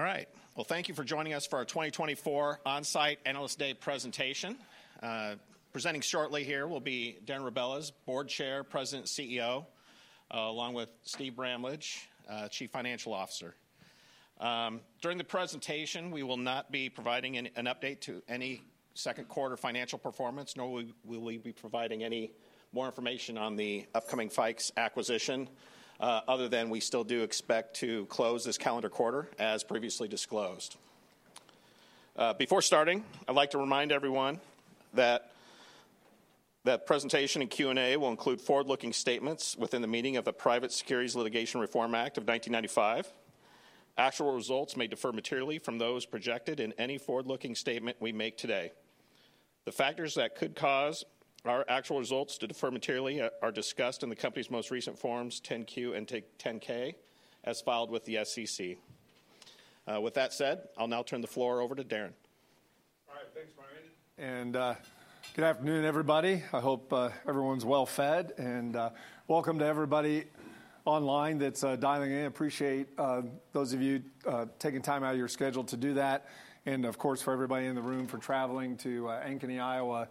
All right. Well, thank you for joining us for our 2024 on-site Analyst Day presentation. Presenting shortly here will be Darren Rebelez, Board Chair, President, CEO, along with Steve Bramlage, Chief Financial Officer. During the presentation, we will not be providing an update to any second quarter financial performance, nor will we be providing any more information on the upcoming Fikes acquisition, other than we still do expect to close this calendar quarter, as previously disclosed. Before starting, I'd like to remind everyone that that presentation and Q&A will include forward-looking statements within the meaning of the Private Securities Litigation Reform Act of 1995. Actual results may differ materially from those projected in any forward-looking statement we make today. The factors that could cause our actual results to differ materially are discussed in the company's most recent Forms 10-Q and 10-K, afiled with the SEC. With that said, I'll now turn the floor over to Darren. All right, thanks, Brian. Good afternoon, everybody. I hope everyone's well fed. Welcome to everybody online that's dialing in. Appreciate those of you taking time out of your schedule to do that, and of course, for everybody in the room for traveling to Ankeny, Iowa,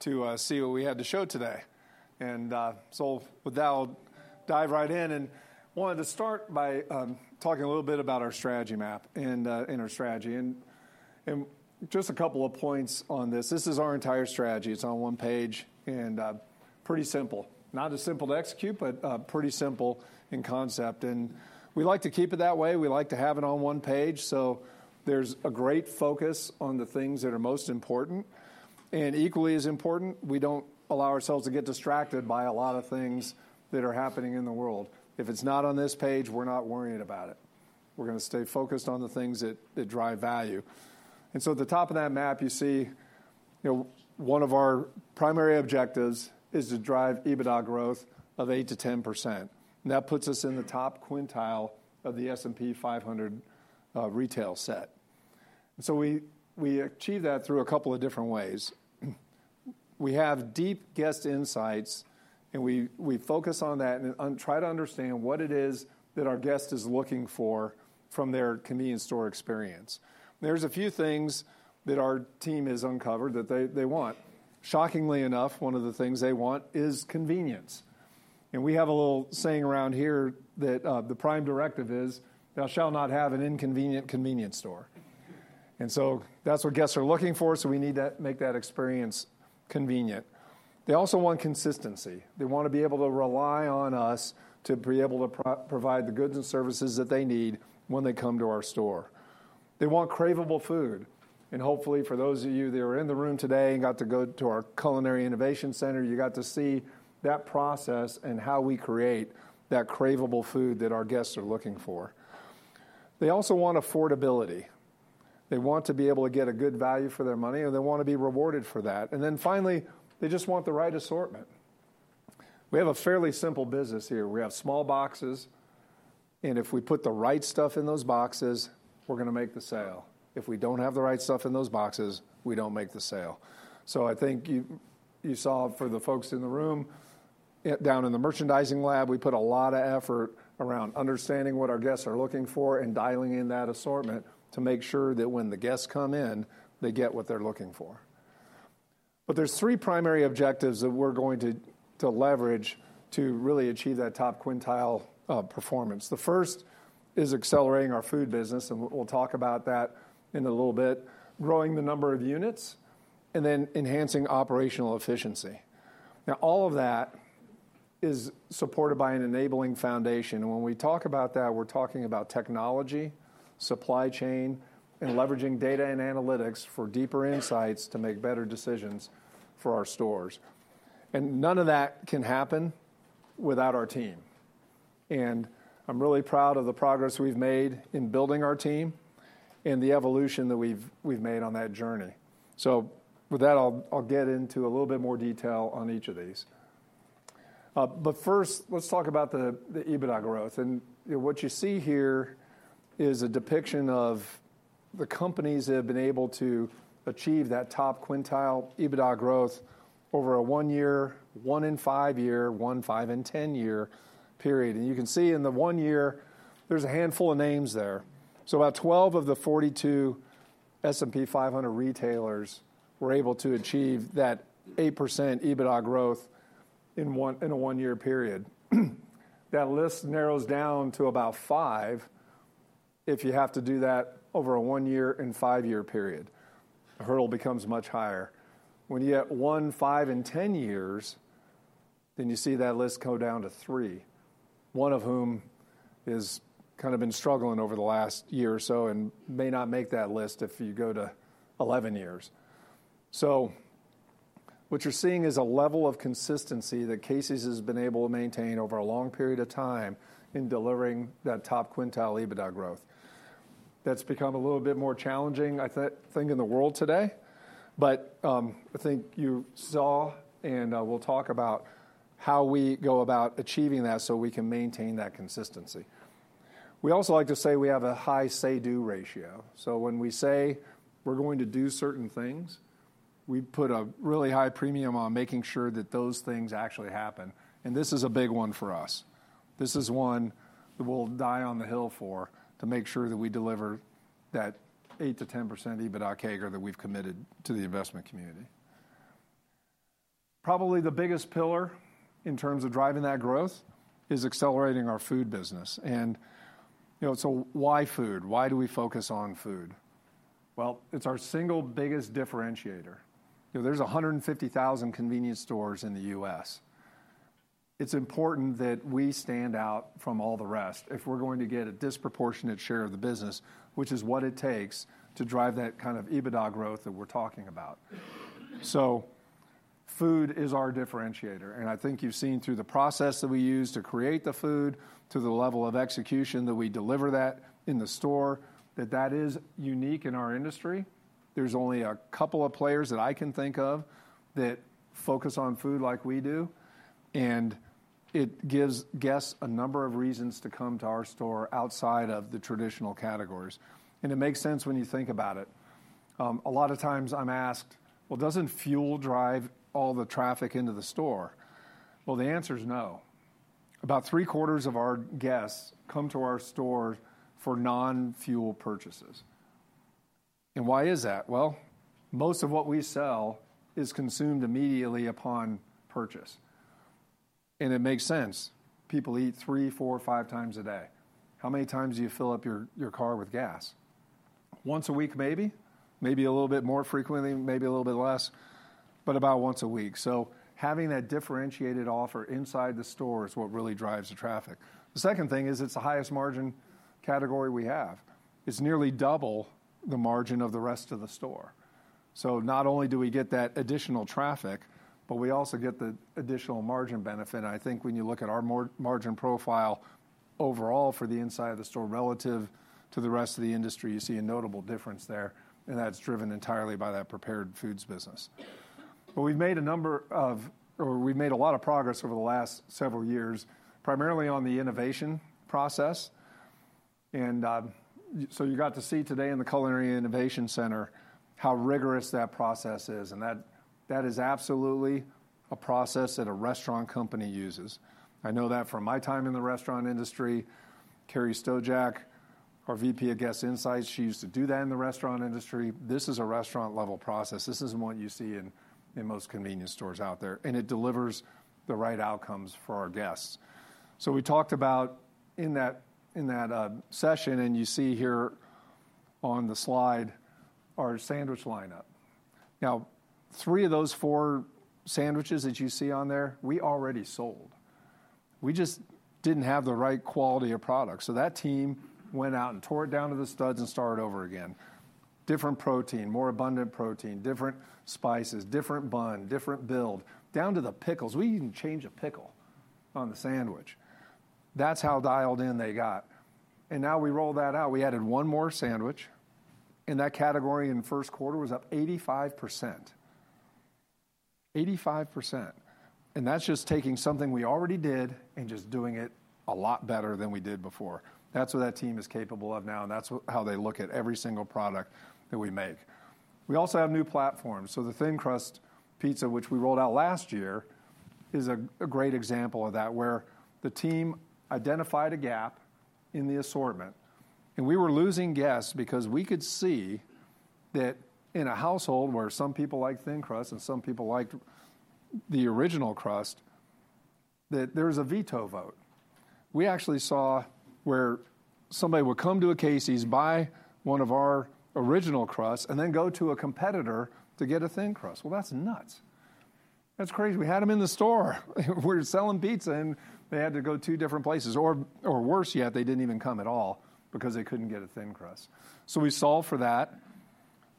to see what we had to show today. With that, I'll dive right in and wanted to start by talking a little bit about our strategy map and our strategy. Just a couple of points on this: this is our entire strategy. It's on one page and pretty simple. Not as simple to execute, but pretty simple in concept, and we like to keep it that way. We like to have it on one page, so there's a great focus on the things that are most important. And equally as important, we don't allow ourselves to get distracted by a lot of things that are happening in the world. If it's not on this page, we're not worrying about it. We're gonna stay focused on the things that, that drive value. And so at the top of that map, you see, you know, one of our primary objectives is to drive EBITDA growth of 8%-10%, and that puts us in the top quintile of the S&P 500, retail set. So we achieve that through a couple of different ways. We have deep guest insights, and we focus on that and try to understand what it is that our guest is looking for from their convenience store experience. There's a few things that our team has uncovered that they want. Shockingly enough, one of the things they want is convenience, and we have a little saying around here that, the prime directive is, "Thou shall not have an inconvenient convenience store." And so that's what guests are looking for, so we need to make that experience convenient. They also want consistency. They want to be able to rely on us to be able to provide the goods and services that they need when they come to our store. They want craveable food, and hopefully, for those of you that are in the room today and got to go to our Culinary Innovation Center, you got to see that process and how we create that craveable food that our guests are looking for. They also want affordability. They want to be able to get a good value for their money, and they want to be rewarded for that. And then finally, they just want the right assortment. We have a fairly simple business here. We have small boxes, and if we put the right stuff in those boxes, we're gonna make the sale. If we don't have the right stuff in those boxes, we don't make the sale. So I think you saw for the folks in the room down in the merchandising lab, we put a lot of effort around understanding what our guests are looking for and dialing in that assortment to make sure that when the guests come in, they get what they're looking for. But there's three primary objectives that we're going to leverage to really achieve that top quintile performance. The first is accelerating our food business, and we'll talk about that in a little bit, growing the number of units, and then enhancing operational efficiency. Now, all of that is supported by an enabling foundation, and when we talk about that, we're talking about technology, supply chain, and leveraging data and analytics for deeper insights to make better decisions for our stores. And none of that can happen without our team, and I'm really proud of the progress we've made in building our team and the evolution that we've made on that journey. So with that, I'll get into a little bit more detail on each of these. But first, let's talk about the EBITDA growth. What you see here is a depiction of the companies that have been able to achieve that top quintile EBITDA growth over a one-year, one and five-year, one, five and ten-year period. You can see in the one year, there's a handful of names there. About 12 of the 42 S&P 500 retailers were able to achieve that 8% EBITDA growth in a one-year period. That list narrows down to about five if you have to do that over a one-year and five-year period. The hurdle becomes much higher. When you add one, five and 10 years, then you see that list go down to three, one of whom is kind of been struggling over the last year or so and may not make that list if you go to 11 years. So what you're seeing is a level of consistency that Casey's has been able to maintain over a long period of time in delivering that top quintile EBITDA growth. That's become a little bit more challenging, I think, in the world today, but, I think you saw, and, we'll talk about how we go about achieving that so we can maintain that consistency. We also like to say we have a high say-do ratio. So when we say we're going to do certain things. We put a really high premium on making sure that those things actually happen, and this is a big one for us. This is one that we'll die on the hill for, to make sure that we deliver that 8%-10% EBITDA CAGR that we've committed to the investment community. Probably the biggest pillar in terms of driving that growth is accelerating our food business. You know, so why food? Why do we focus on food? Well, it's our single biggest differentiator. You know, there's a hundred and fifty thousand convenience stores in the U.S. It's important that we stand out from all the rest if we're going to get a disproportionate share of the business, which is what it takes to drive that kind of EBITDA growth that we're talking about. So food is our differentiator, and I think you've seen through the process that we use to create the food, to the level of execution, that we deliver that in the store, that that is unique in our industry. There's only a couple of players that I can think of that focus on food like we do, and it gives guests a number of reasons to come to our store outside of the traditional categories, and it makes sense when you think about it. A lot of times I'm asked: "Well, doesn't fuel drive all the traffic into the store?" The answer is no. About three-quarters of our guests come to our stores for non-fuel purchases. Why is that? Most of what we sell is consumed immediately upon purchase, and it makes sense. People eat three, four, five times a day. How many times do you fill up your car with gas? Once a week, maybe? Maybe a little bit more frequently, maybe a little bit less, but about once a week. So having that differentiated offer inside the store is what really drives the traffic. The second thing is it's the highest margin category we have. It's nearly double the margin of the rest of the store. So not only do we get that additional traffic, but we also get the additional margin benefit, and I think when you look at our margin profile overall for the inside of the store relative to the rest of the industry, you see a notable difference there, and that's driven entirely by that prepared foods business. But we've made a lot of progress over the last several years, primarily on the innovation process, so you got to see today in the Culinary Innovation Center, how rigorous that process is, and that, that is absolutely a process that a restaurant company uses. I know that from my time in the restaurant industry. Carrie Stojak, our VP of Guest Insights, she used to do that in the restaurant industry. This is a restaurant-level process. This isn't what you see in most convenience stores out there, and it delivers the right outcomes for our guests. So we talked about in that session, and you see here on the slide, our sandwich lineup. Now, three of those four sandwiches that you see on there, we already sold. We just didn't have the right quality of product. So that team went out and tore it down to the studs and started over again. Different protein, more abundant protein, different spices, different bun, different build, down to the pickles. We even changed the pickle on the sandwich. That's how dialed in they got, and now we rolled that out. We added one more sandwich, and that category in the first quarter was up 85%. 85%, and that's just taking something we already did and just doing it a lot better than we did before. That's what that team is capable of now, and that's how they look at every single product that we make. We also have new platforms. So the Thin Crust Pizza, which we rolled out last year, is a great example of that, where the team identified a gap in the assortment, and we were losing guests because we could see that in a household where some people like thin crust and some people liked the original crust, that there was a veto vote. We actually saw where somebody would come to a Casey's, buy one of our original crust, and then go to a competitor to get a thin crust. Well, that's nuts. That's crazy. We had them in the store. We're selling pizza, and they had to go two different places, or, or worse yet, they didn't even come at all because they couldn't get a thin crust. So we solved for that.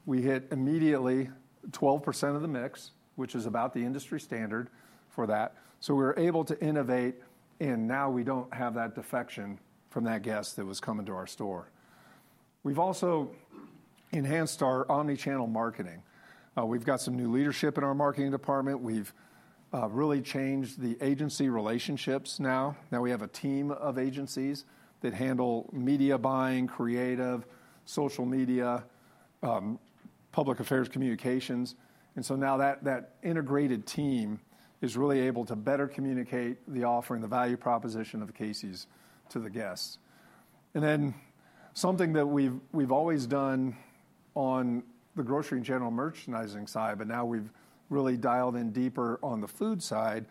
We hit immediately 12% of the mix, which is about the industry standard for that. So we were able to innovate, and now we don't have that defection from that guest that was coming to our store. We've also enhanced our omni-channel marketing. We've got some new leadership in our marketing department. We've really changed the agency relationships now. Now we have a team of agencies that handle media buying, creative, social media, public affairs, communications, and so now that, that integrated team is really able to better communicate the offer and the value proposition of Casey's to the guests. And then, something that we've always done on the grocery and general merchandising side, but now we've really dialed in deeper on the food side,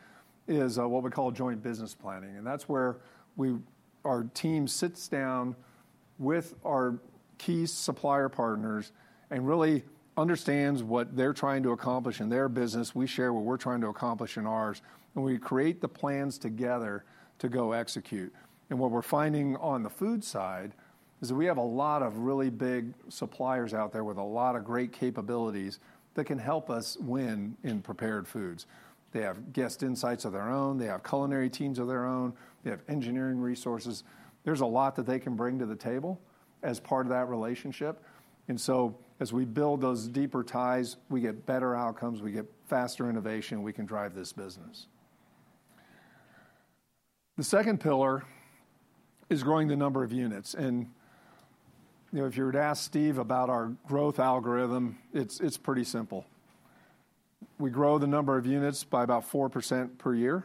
is what we call joint business planning, and that's where our team sits down with our key supplier partners and really understands what they're trying to accomplish in their business. We share what we're trying to accomplish in ours, and we create the plans together to go execute. And what we're finding on the food side is that we have a lot of really big suppliers out there with a lot of great capabilities that can help us win in prepared foods. They have guest insights of their own, they have culinary teams of their own, they have engineering resources. There's a lot that they can bring to the table as part of that relationship, and so as we build those deeper ties, we get better outcomes, we get faster innovation, we can drive this business.... The second pillar is growing the number of units. And, you know, if you were to ask Steve about our growth algorithm, it's pretty simple. We grow the number of units by about 4% per year,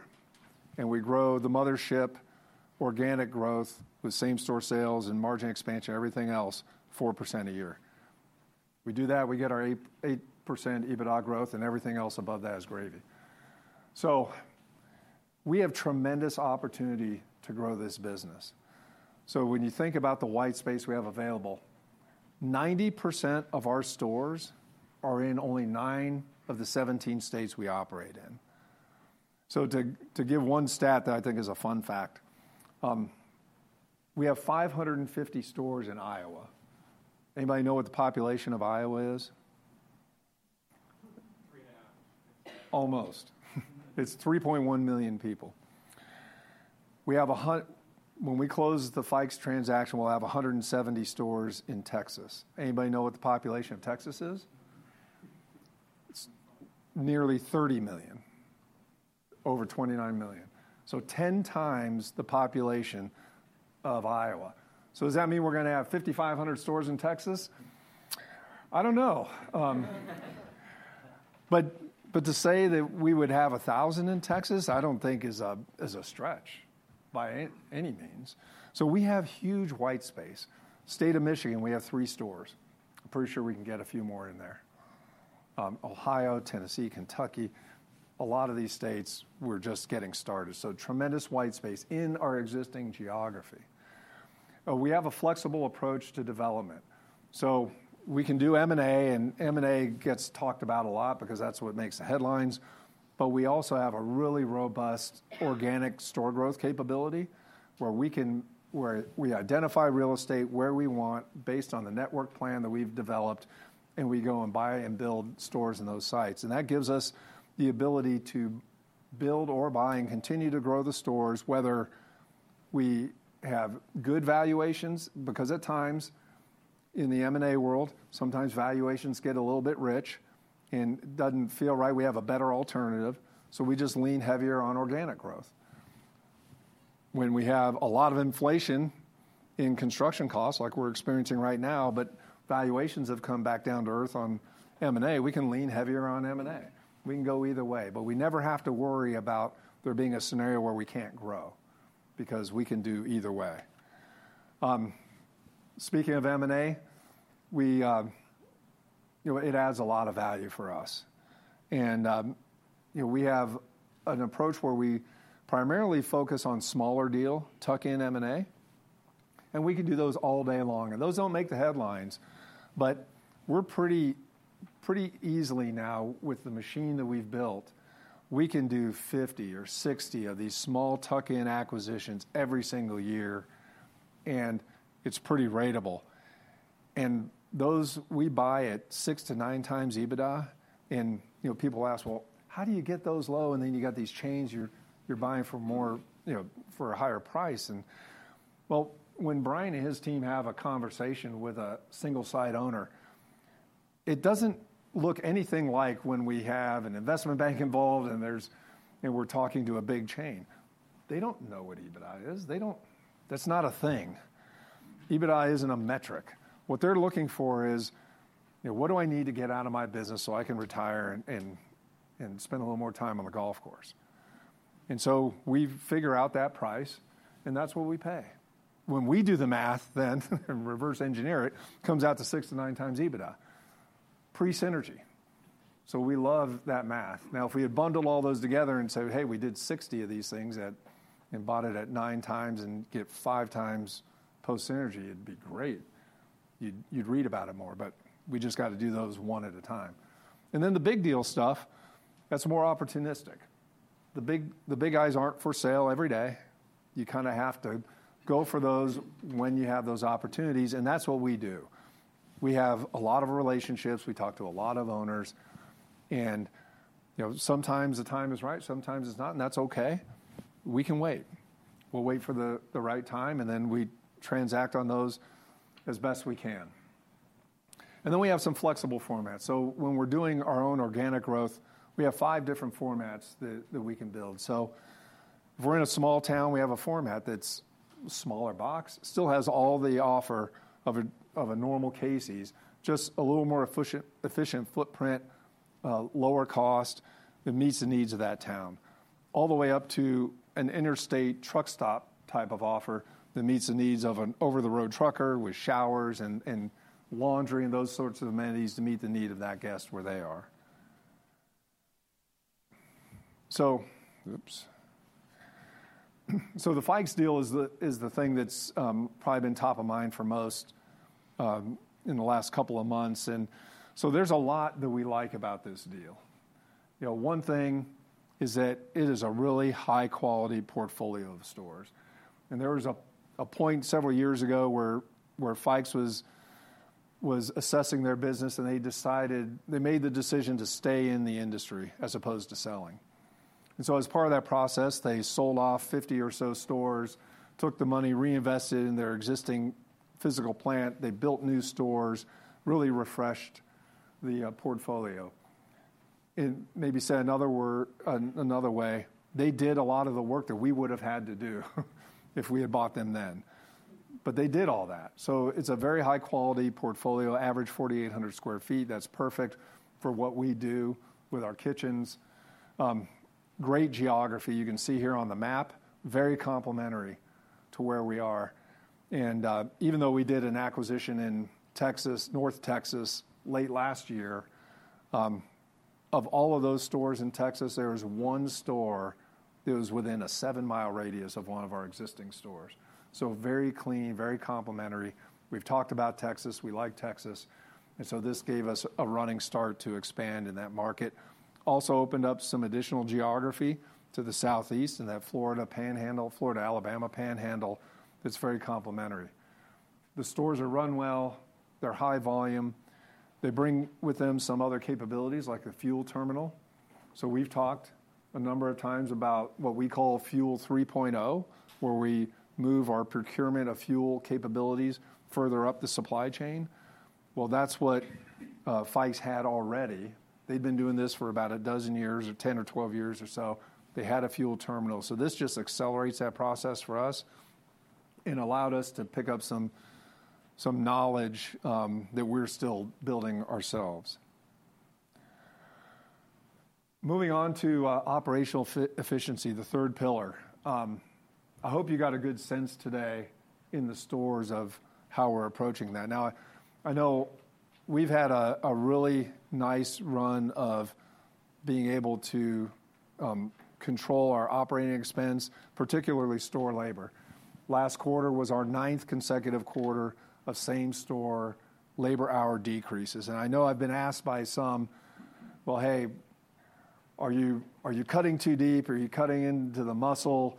and we grow the mothership organic growth with same-store sales and margin expansion, everything else, 4% a year. We do that, we get our 8% EBITDA growth, and everything else above that is gravy. So we have tremendous opportunity to grow this business. So when you think about the white space we have available, 90% of our stores are in only nine of the seventeen states we operate in. So to give one stat that I think is a fun fact, we have 550 stores in Iowa. Anybody know what the population of Iowa is? Three and a half. Almost. It's 3.1 million people. We have a hundred—when we close the Fikes transaction, we'll have 170 stores in Texas. Anybody know what the population of Texas is? It's nearly 30 million, over 29 million, so 10x the population of Iowa. So does that mean we're gonna have 5,500 stores in Texas? I don't know. But to say that we would have 1,000 in Texas, I don't think is a stretch by any means. So we have huge white space. State of Michigan, we have 3 stores. I'm pretty sure we can get a few more in there. Ohio, Tennessee, Kentucky, a lot of these states, we're just getting started, so tremendous white space in our existing geography. We have a flexible approach to development. So we can do M&A, and M&A gets talked about a lot because that's what makes the headlines, but we also have a really robust organic store growth capability, where we identify real estate where we want, based on the network plan that we've developed, and we go and buy and build stores in those sites. And that gives us the ability to build or buy and continue to grow the stores, whether we have good valuations, because at times, in the M&A world, sometimes valuations get a little bit rich, and it doesn't feel right. We have a better alternative, so we just lean heavier on organic growth. When we have a lot of inflation in construction costs, like we're experiencing right now, but valuations have come back down to earth on M&A, we can lean heavier on M&A. We can go either way, but we never have to worry about there being a scenario where we can't grow, because we can do either way. Speaking of M&A, we, you know, it adds a lot of value for us. And you know, we have an approach where we primarily focus on smaller deal, tuck-in M&A, and we can do those all day long. And those don't make the headlines, but we're pretty easily now, with the machine that we've built, we can do 50 or 60 of these small tuck-in acquisitions every single year, and it's pretty ratable. And those, we buy at 6x-9x EBITDA, and, you know, people ask, "Well, how do you get those low? And then you got these chains you're buying for more, you know, for a higher price?" And, well, when Brian and his team have a conversation with a single-site owner, it doesn't look anything like when we have an investment bank involved and there's, and we're talking to a big chain. They don't know what EBITDA is. They don't. That's not a thing. EBITDA isn't a metric. What they're looking for is, you know, "What do I need to get out of my business so I can retire and spend a little more time on the golf course?" And so we figure out that price, and that's what we pay. When we do the math, then reverse engineer it, comes out to 6x-9x EBITDA, pre-synergy. So we love that math. Now, if we had bundled all those together and said, "Hey, we did sixty of these things at-- and bought it at nine times and get five times post-synergy," it'd be great. You'd, you'd read about it more, but we just got to do those one at a time. And then the big deal stuff, that's more opportunistic. The big, the big guys aren't for sale every day. You kind of have to go for those when you have those opportunities, and that's what we do. We have a lot of relationships. We talk to a lot of owners, and, you know, sometimes the time is right, sometimes it's not, and that's okay. We can wait. We'll wait for the, the right time, and then we transact on those as best we can. And then we have some flexible formats. When we're doing our own organic growth, we have five different formats that we can build. If we're in a small town, we have a format that's smaller box, still has all the offer of a normal Casey's, just a little more efficient footprint, lower cost, that meets the needs of that town, all the way up to an interstate truck stop type of offer that meets the needs of an over-the-road trucker with showers and laundry and those sorts of amenities to meet the need of that guest where they are. The Fikes deal is the thing that's probably been top of mind for most in the last couple of months, and so there's a lot that we like about this deal. You know, one thing is that it is a really high-quality portfolio of stores, and there was a point several years ago where Fikes was assessing their business, and they decided - they made the decision to stay in the industry as opposed to selling, and so as part of that process, they sold off 50 or so stores, took the money, reinvested it in their existing physical plant. They built new stores, really refreshed the portfolio, and maybe say another word, another way, they did a lot of the work that we would've had to do if we had bought them then, but they did all that, so it's a very high-quality portfolio, average 4,800 sq ft. That's perfect for what we do with our kitchens. Great geography. You can see here on the map, very complementary to where we are. Even though we did an acquisition in Texas, North Texas, late last year, of all of those stores in Texas, there was one store that was within a seven-mile radius of one of our existing stores. So very clean, very complementary. We've talked about Texas, we like Texas, and so this gave us a running start to expand in that market. Also opened up some additional geography to the southeast in that Florida Panhandle, Florida-Alabama Panhandle, that's very complementary. The stores are run well, they're high volume. They bring with them some other capabilities, like a fuel terminal. So we've talked a number of times about what we call Fuel 3.0, where we move our procurement of fuel capabilities further up the supply chain. That's what Fikes had already. They've been doing this for about a dozen years, or 10 or 12 years or so. They had a fuel terminal, so this just accelerates that process for us, and allowed us to pick up some knowledge that we're still building ourselves. Moving on to operational efficiency, the third pillar. I hope you got a good sense today in the stores of how we're approaching that. Now, I know we've had a really nice run of being able to control our operating expense, particularly store labor. Last quarter was our ninth consecutive quarter of same-store labor hour decreases. I know I've been asked by some: "Well, hey, are you cutting too deep? Are you cutting into the muscle?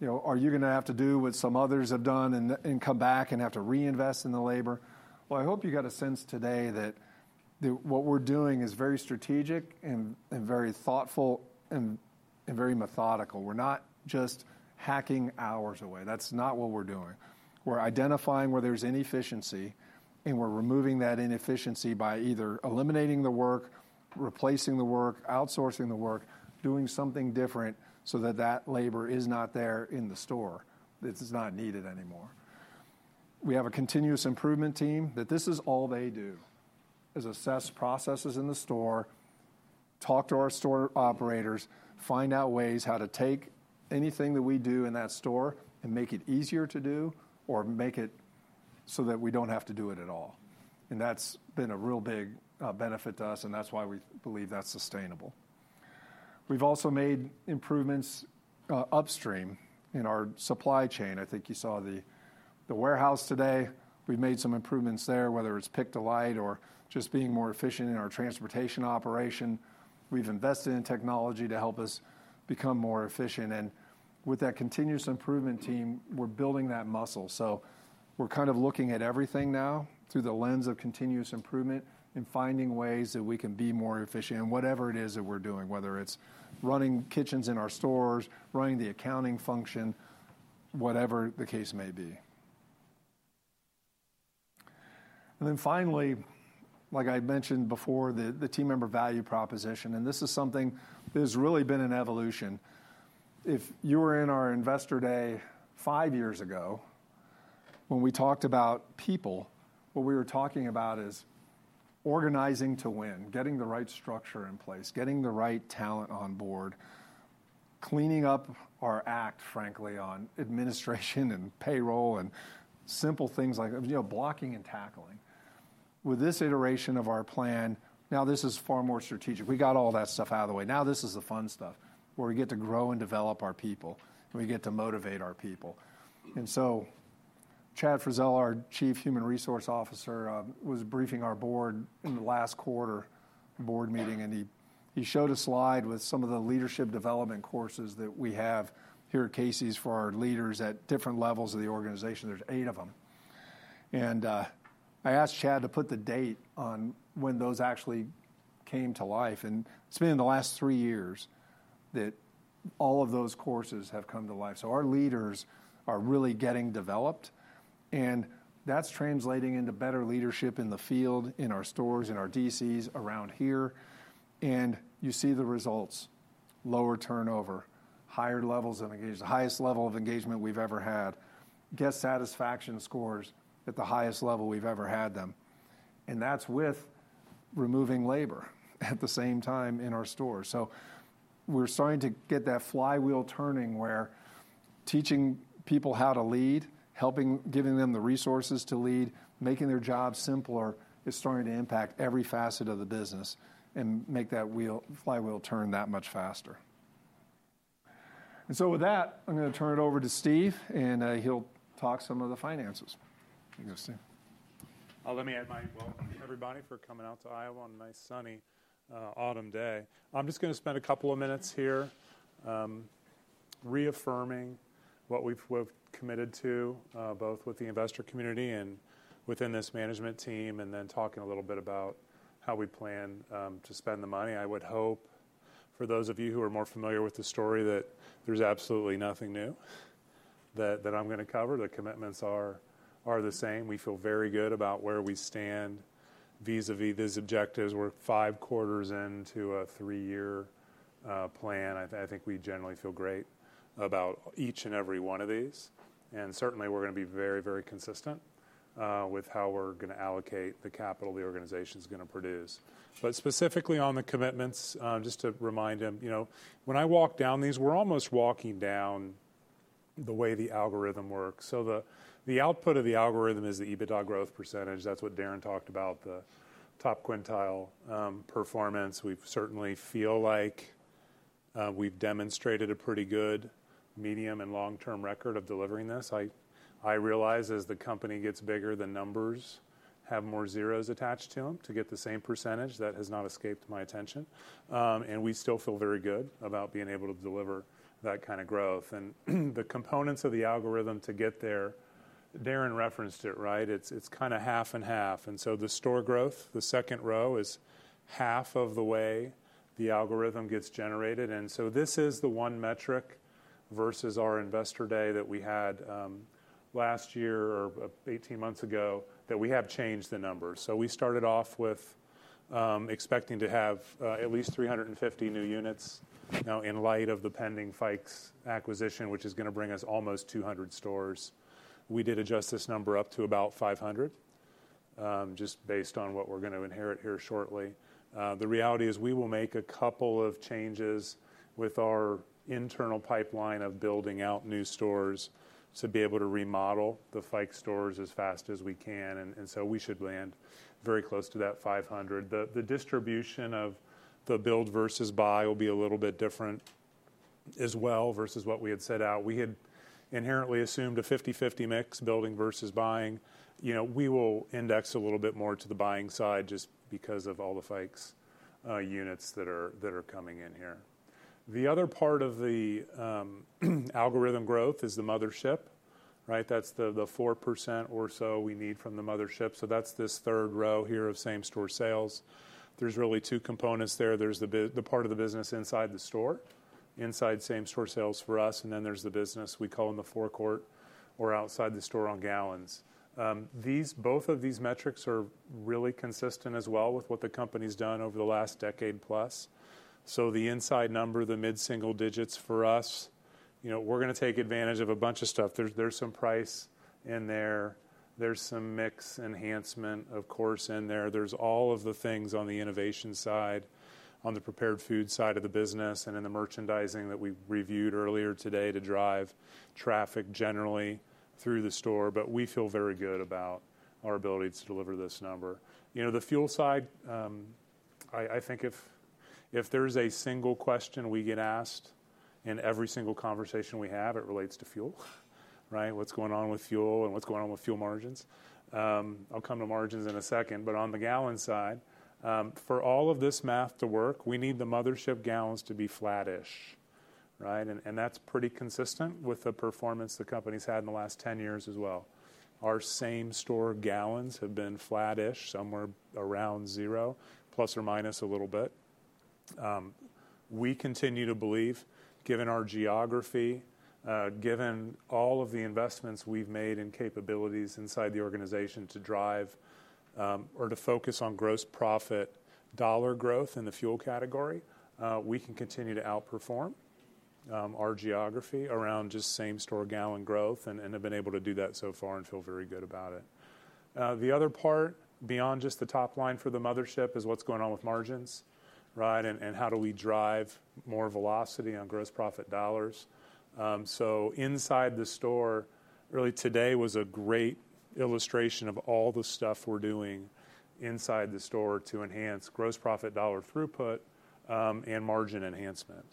You know, are you gonna have to do what some others have done, and come back and have to reinvest in the labor?" Well, I hope you got a sense today that what we're doing is very strategic and very thoughtful, and very methodical. We're not just hacking hours away. That's not what we're doing. We're identifying where there's inefficiency, and we're removing that inefficiency by either eliminating the work, replacing the work, outsourcing the work, doing something different so that that labor is not there in the store. It is not needed anymore. We have a continuous improvement team, that this is all they do, is assess processes in the store, talk to our store operators, find out ways how to take anything that we do in that store and make it easier to do or make it so that we don't have to do it at all. And that's been a real big benefit to us, and that's why we believe that's sustainable. We've also made improvements upstream in our supply chain. I think you saw the warehouse today. We've made some improvements there, whether it's pick-to-light or just being more efficient in our transportation operation. We've invested in technology to help us become more efficient, and with that continuous improvement team, we're building that muscle. We're kind of looking at everything now through the lens of continuous improvement, and finding ways that we can be more efficient in whatever it is that we're doing, whether it's running kitchens in our stores, running the accounting function, whatever the case may be. Finally, like I mentioned before, the team member value proposition, and this is something that has really been an evolution. If you were in our Investor Day five years ago, when we talked about people, what we were talking about is organizing to win, getting the right structure in place, getting the right talent on board, cleaning up our act, frankly, on administration and payroll, and simple things like, you know, blocking and tackling. With this iteration of our plan, now, this is far more strategic. We got all that stuff out of the way. Now, this is the fun stuff, where we get to grow and develop our people, and we get to motivate our people. And so Chad Frizzell, our Chief Human Resources Officer, was briefing our board in the last quarter board meeting, and he showed a slide with some of the leadership development courses that we have here at Casey's for our leaders at different levels of the organization. There's eight of them. And I asked Chad to put the date on when those actually came to life, and it's been in the last three years that all of those courses have come to life. So our leaders are really getting developed, and that's translating into better leadership in the field, in our stores, in our DCs, around here. And you see the results: lower turnover, higher levels of engagement, the highest level of engagement we've ever had. Guest satisfaction scores at the highest level we've ever had them, and that's with removing labor at the same time in our stores. So we're starting to get that flywheel turning, where teaching people how to lead, giving them the resources to lead, making their jobs simpler, is starting to impact every facet of the business and make that flywheel turn that much faster. And so with that, I'm gonna turn it over to Steve, and he'll talk some of the finances. Here you go, Steve. Let me add my welcome, everybody, for coming out to Iowa on a nice, sunny autumn day. I'm just gonna spend a couple of minutes here, reaffirming what we've committed to, both with the investor community and within this management team, and then talking a little bit about how we plan to spend the money. I would hope for those of you who are more familiar with the story, that there's absolutely nothing new that I'm gonna cover. The commitments are the same. We feel very good about where we stand vis-à-vis these objectives. We're five quarters into a three-year plan. I think we generally feel great about each and every one of these, and certainly we're gonna be very, very consistent with how we're gonna allocate the capital the organization's gonna produce. But specifically on the commitments, just to remind them, you know, when I walk down these, we're almost walking down the way the algorithm works. So the output of the algorithm is the EBITDA growth percentage. That's what Darren talked about, the top quintile performance. We certainly feel like we've demonstrated a pretty good medium and long-term record of delivering this. I realize as the company gets bigger, the numbers have more zeros attached to them to get the same percentage. That has not escaped my attention, and we still feel very good about being able to deliver that kind of growth. And the components of the algorithm to get there, Darren referenced it, right? It's kinda half and half, and so the store growth, the second row, is half of the way the algorithm gets generated, and so this is the one metric versus our investor day that we had last year or eighteen months ago that we have changed the numbers. So we started off with expecting to have at least 350 new units. Now, in light of the pending Fikes acquisition, which is gonna bring us almost 200 stores, we did adjust this number up to about 500 just based on what we're gonna inherit here shortly. The reality is we will make a couple of changes with our internal pipeline of building out new stores to be able to remodel the Fikes stores as fast as we can, and so we should land very close to that five hundred. The distribution of the build versus buy will be a little bit different as well, versus what we had set out. We had inherently assumed a 50/50 mix, building versus buying. You know, we will index a little bit more to the buying side just because of all the Fikes units that are coming in here. The other part of the algorithm growth is the mothership, right? That's the 4% or so we need from the mothership, so that's this third row here of same-store sales. There's really two components there. There's the part of the business inside the store, inside same-store sales for us, and then there's the business we call them the forecourt or outside the store on gallons. Both of these metrics are really consistent as well with what the company's done over the last decade plus. So the inside number, the mid-single digits for us, you know, we're gonna take advantage of a bunch of stuff. There's some price in there, there's some mix enhancement, of course, in there. There's all of the things on the innovation side, on the prepared food side of the business, and in the merchandising that we reviewed earlier today to drive traffic generally through the store. But we feel very good about our ability to deliver this number. You know, the fuel side, I think if there's a single question we get asked in every single conversation we have, it relates to fuel, right? What's going on with fuel and what's going on with fuel margins? I'll come to margins in a second, but on the gallon side, for all of this math to work, we need the mothership gallons to be flattish, right? And that's pretty consistent with the performance the company's had in the last 10 years as well. Our same-store gallons have been flattish, somewhere around zero, plus or minus a little bit. We continue to believe, given our geography, given all of the investments we've made in capabilities inside the organization to drive, or to focus on gross profit dollar growth in the fuel category, we can continue to outperform our geography around just same-store gallon growth and have been able to do that so far and feel very good about it. The other part, beyond just the top line for the mothership, is what's going on with margins, right? And how do we drive more velocity on gross profit dollars. So inside the store. Really, today was a great illustration of all the stuff we're doing inside the store to enhance gross profit dollar throughput and margin enhancement.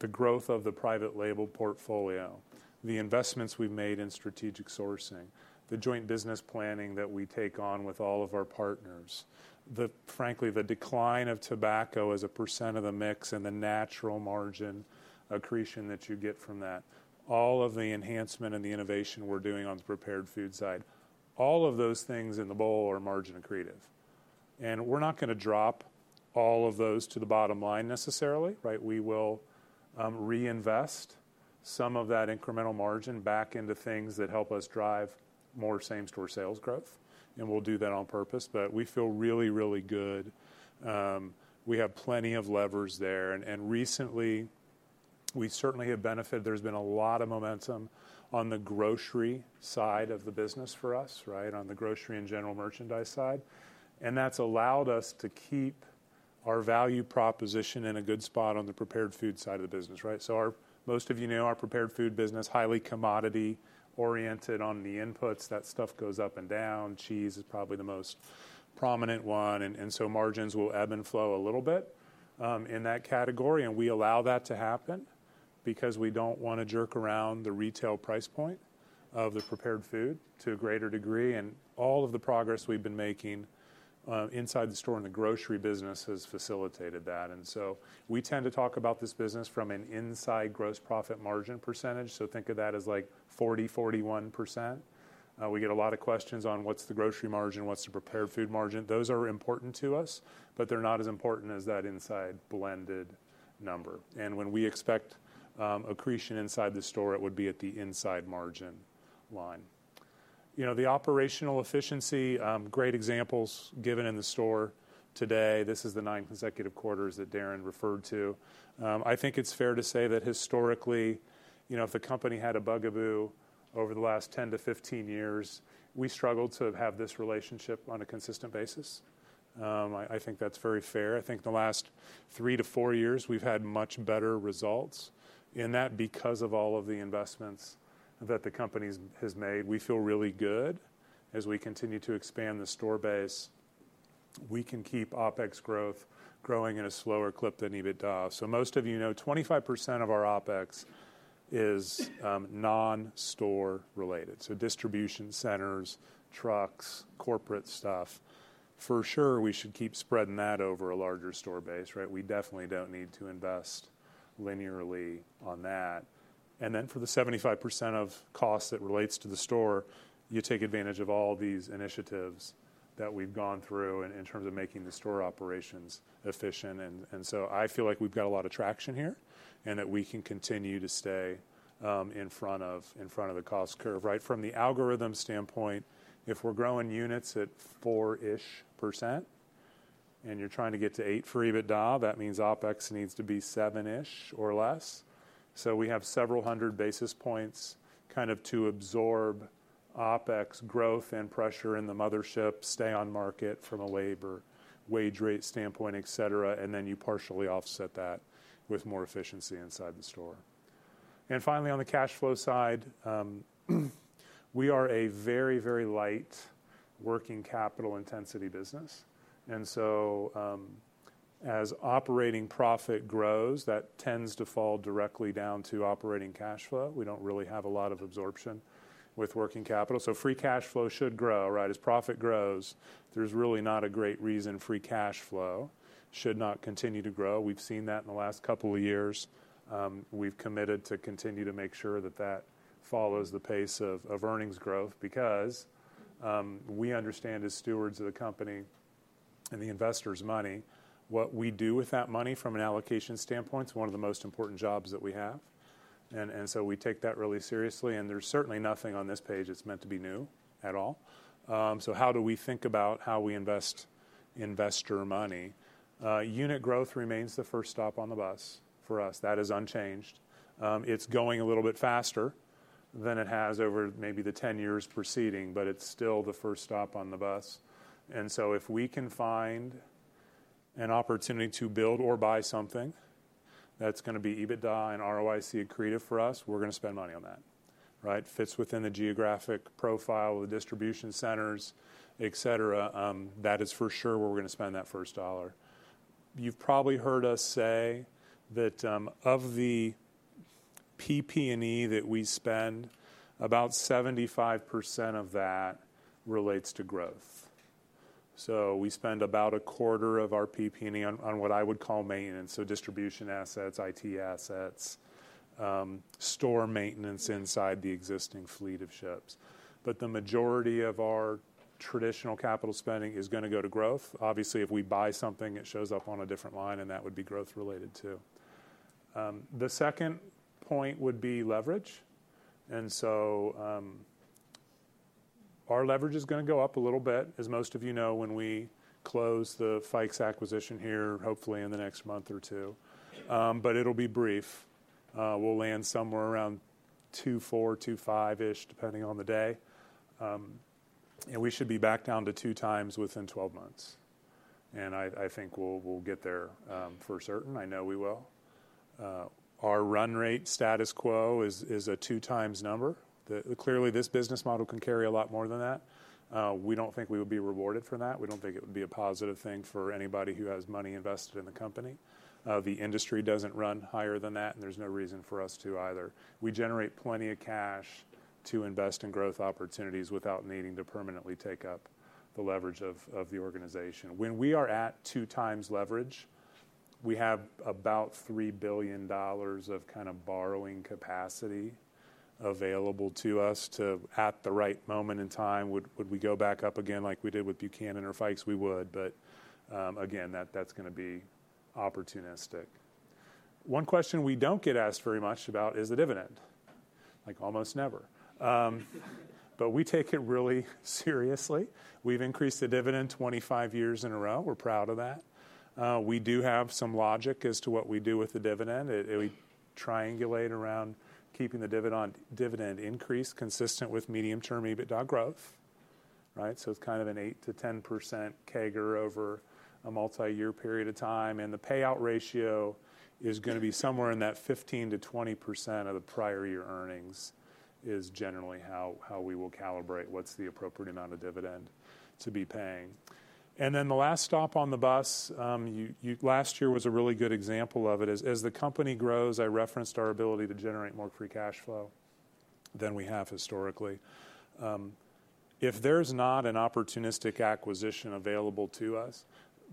The growth of the private label portfolio, the investments we've made in strategic sourcing, the joint business planning that we take on with all of our partners. Frankly, the decline of tobacco as a percentof the mix and the natural margin accretion that you get from that. All of the enhancement and the innovation we're doing on the prepared food side, all of those things in the bowl are margin accretive, and we're not gonna drop all of those to the bottom line necessarily, right? We will reinvest some of that incremental margin back into things that help us drive more same-store sales growth, and we'll do that on purpose. But we feel really, really good. We have plenty of levers there, and recently, we certainly have benefited. There's been a lot of momentum on the grocery side of the business for us, right? On the grocery and general merchandise side. And that's allowed us to keep our value proposition in a good spot on the prepared food side of the business, right? So our-- most of you know our prepared food business, highly commodity-oriented on the inputs. That stuff goes up and down. Cheese is probably the most prominent one, and so margins will ebb and flow a little bit in that category, and we allow that to happen because we don't wanna jerk around the retail price point... of the prepared food to a greater degree, and all of the progress we've been making inside the store in the grocery business has facilitated that. And so we tend to talk about this business from an inside gross profit margin percentage. Think of that as like 40%-41%. We get a lot of questions on what's the grocery margin, what's the prepared food margin? Those are important to us, but they're not as important as that inside blended number. When we expect accretion inside the store, it would be at the inside margin line. You know, the operational efficiency, great examples given in the store today. This is the ninth consecutive quarters that Darren referred to. I think it's fair to say that historically, you know, if the company had a bugaboo over the last 10 to 15 years, we struggled to have this relationship on a consistent basis. I think that's very fair. I think the last three to four years, we've had much better results in that because of all of the investments that the company has made. We feel really good as we continue to expand the store base. We can keep OpEx growth growing at a slower clip than EBITDA. So most of you know, 25% of our OpEx is non-store related. So distribution centers, trucks, corporate stuff. For sure, we should keep spreading that over a larger store base, right? We definitely don't need to invest linearly on that. And then for the 75% of costs that relates to the store, you take advantage of all these initiatives that we've gone through in terms of making the store operations efficient. I feel like we've got a lot of traction here, and that we can continue to stay in front of the cost curve, right? From the algorithm standpoint, if we're growing units at 4-ish% and you're trying to get to 8% for EBITDA, that means OpEx needs to be 7-ish% or less. We have several hundred basis points, kind of to absorb OpEx growth and pressure in the mothership, stay on market from a labor wage rate standpoint, et cetera, and then you partially offset that with more efficiency inside the store. Finally, on the cash flow side, we are a very, very light working capital intensity business, and so as operating profit grows, that tends to fall directly down to operating cash flow. We don't really have a lot of absorption with working capital, so free cash flow should grow, right? As profit grows, there's really not a great reason free cash flow should not continue to grow. We've seen that in the last couple of years. We've committed to continue to make sure that that follows the pace of earnings growth because we understand, as stewards of the company and the investors' money, what we do with that money from an allocation standpoint is one of the most important jobs that we have. And so we take that really seriously, and there's certainly nothing on this page that's meant to be new at all. So how do we think about how we invest investor money? Unit growth remains the first stop on the bus for us. That is unchanged. It's going a little bit faster than it has over maybe the ten years preceding, but it's still the first stop on the bus. And so if we can find an opportunity to build or buy something that's gonna be EBITDA and ROIC accretive for us, we're gonna spend money on that, right? Fits within the geographic profile of the distribution centers, et cetera, that is for sure where we're gonna spend that first dollar. You've probably heard us say that, of the PP&E that we spend, about 75% of that relates to growth. So we spend about a quarter of our PP&E on what I would call maintenance, so distribution assets, IT assets, store maintenance inside the existing fleet of ships. But the majority of our traditional capital spending is gonna go to growth. Obviously, if we buy something, it shows up on a different line, and that would be growth related, too. The second point would be leverage. So, our leverage is gonna go up a little bit, as most of you know, when we close the Fikes acquisition here, hopefully in the next month or two. But it'll be brief. We'll land somewhere around 2.4-2.5-ish, depending on the day. And we should be back down to 2 times within 12 months. I think we'll get there for certain. I know we will. Our run rate status quo is a 2 times number, that clearly this business model can carry a lot more than that. We don't think we would be rewarded for that. We don't think it would be a positive thing for anybody who has money invested in the company. The industry doesn't run higher than that, and there's no reason for us to either. We generate plenty of cash to invest in growth opportunities without needing to permanently take up the leverage of the organization. When we are at two times leverage, we have about $3 billion of kind of borrowing capacity available to us to... At the right moment in time, would we go back up again, like we did with Buchanan or Fikes? We would, but, again, that's gonna be opportunistic. One question we don't get asked very much about is the dividend. Like, almost never. But we take it really seriously. We've increased the dividend 25 years in a row. We're proud of that. We do have some logic as to what we do with the dividend. We triangulate around keeping the dividend, dividend increase consistent with medium-term EBITDA growth, right? So it's kind of an 8%-10% CAGR over a multi-year period of time, and the payout ratio is gonna be somewhere in that 15%-20% of the prior year earnings, is generally how we will calibrate what's the appropriate amount of dividend to be paying. And then the last stop on the bus, last year was a really good example of it, is as the company grows, I referenced our ability to generate more free cash flow than we have historically. If there's not an opportunistic acquisition available to us,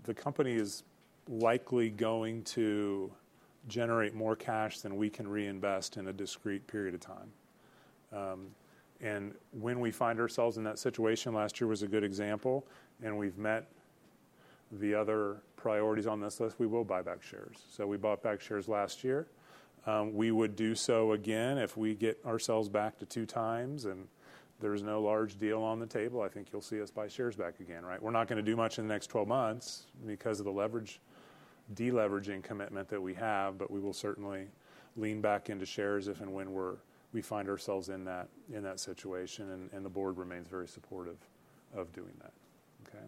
the company is likely going to generate more cash than we can reinvest in a discrete period of time. And when we find ourselves in that situation, last year was a good example, and we've met the other priorities on this list, we will buy back shares. So we bought back shares last year. We would do so again, if we get ourselves back to two times, and there's no large deal on the table, I think you'll see us buy shares back again, right? We're not gonna do much in the next 12 months because of the leverage, de-leveraging commitment that we have, but we will certainly lean back into shares if and when we find ourselves in that situation, and the board remains very supportive of doing that. Okay?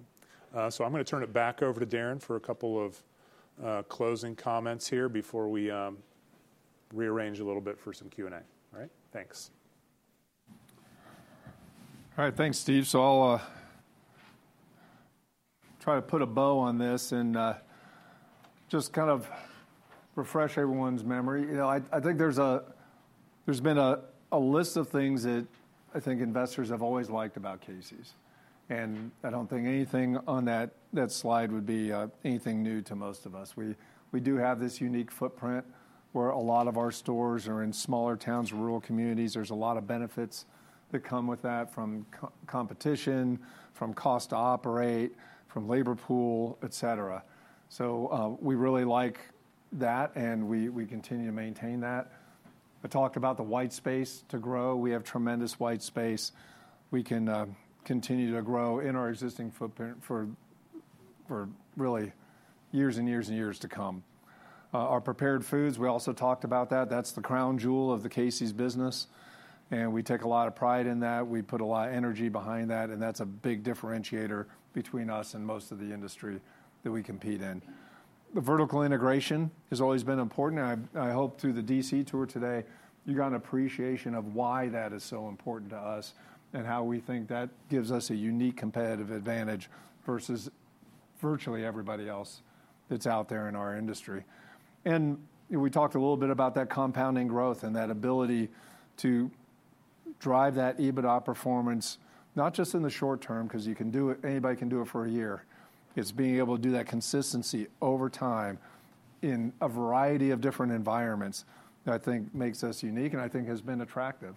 So I'm gonna turn it back over to Darren for a couple of closing comments here before we rearrange a little bit for some Q&A. All right? Thanks. All right, thanks, Steve. So I'll try to put a bow on this and just kind of refresh everyone's memory. You know, I think there's been a list of things that I think investors have always liked about Casey's, and I don't think anything on that slide would be anything new to most of us. We do have this unique footprint, where a lot of our stores are in smaller towns and rural communities. There's a lot of benefits that come with that, from co-opetition, from cost to operate, from labor pool, et cetera. So we really like that, and we continue to maintain that. I talked about the white space to grow. We have tremendous white space. We can continue to grow in our existing footprint for really years and years and years to come. Our prepared foods, we also talked about that. That's the crown jewel of the Casey's business, and we take a lot of pride in that. We put a lot of energy behind that, and that's a big differentiator between us and most of the industry that we compete in. The vertical integration has always been important, and I hope through the DC tour today, you got an appreciation of why that is so important to us and how we think that gives us a unique competitive advantage versus virtually everybody else that's out there in our industry. And we talked a little bit about that compounding growth and that ability to drive that EBITDA performance, not just in the short term, 'cause you can do it - anybody can do it for a year. It's being able to do that consistency over time in a variety of different environments that I think makes us unique and I think has been attractive.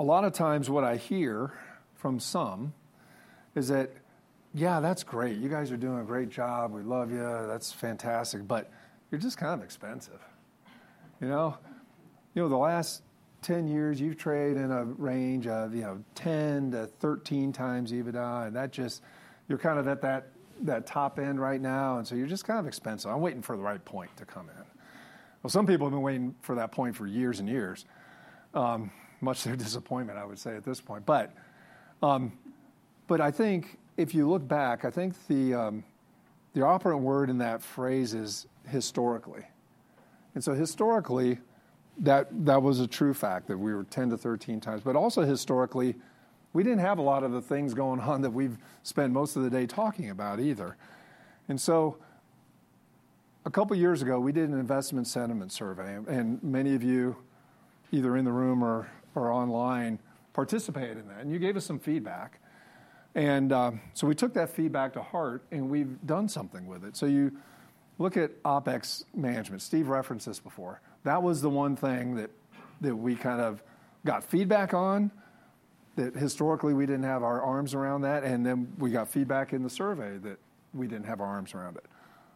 Now, a lot of times, what I hear from some is that, "Yeah, that's great. You guys are doing a great job. We love you. That's fantastic, but you're just kind of expensive. You know? You know, the last 10 years, you've traded in a range of, you know, 10x-13x EBITDA, and that just... You're kind of at that, that top end right now, and so you're just kind of expensive. I'm waiting for the right point to come in." Well, some people have been waiting for that point for years and years, much to their disappointment, I would say, at this point. But I think if you look back, I think the operative word in that phrase is historically. And so historically, that was a true fact, that we were 10 to 13 times. But also historically, we didn't have a lot of the things going on that we've spent most of the day talking about either. And so a couple of years ago, we did an investment sentiment survey, and many of you, either in the room or online, participated in that, and you gave us some feedback. And so we took that feedback to heart, and we've done something with it. So you look at OpEx management. Steve referenced this before. That was the one thing that, that we kind of got feedback on, that historically, we didn't have our arms around that, and then we got feedback in the survey that we didn't have our arms around it.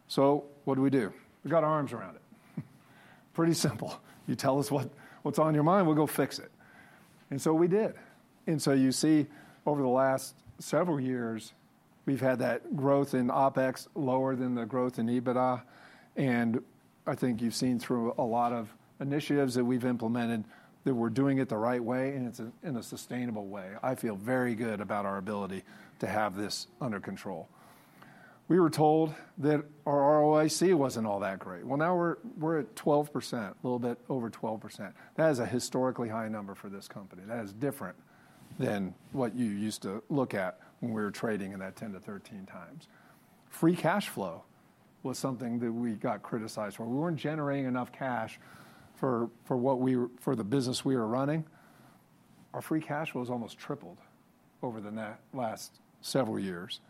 So what did we do? We got arms around it. Pretty simple. You tell us what, what's on your mind, we'll go fix it. And so we did. And so you see, over the last several years, we've had that growth in OpEx lower than the growth in EBITDA, and I think you've seen through a lot of initiatives that we've implemented, that we're doing it the right way, and it's in a sustainable way. I feel very good about our ability to have this under control. We were told that our ROIC wasn't all that great. Well, now we're, we're at 12%, a little bit over 12%. That is a historically high number for this company. That is different than what you used to look at when we were trading in that 10-13 times. Free cash flow was something that we got criticized for. We weren't generating enough cash for the business we were running. Our free cash flow has almost tripled over the last several years.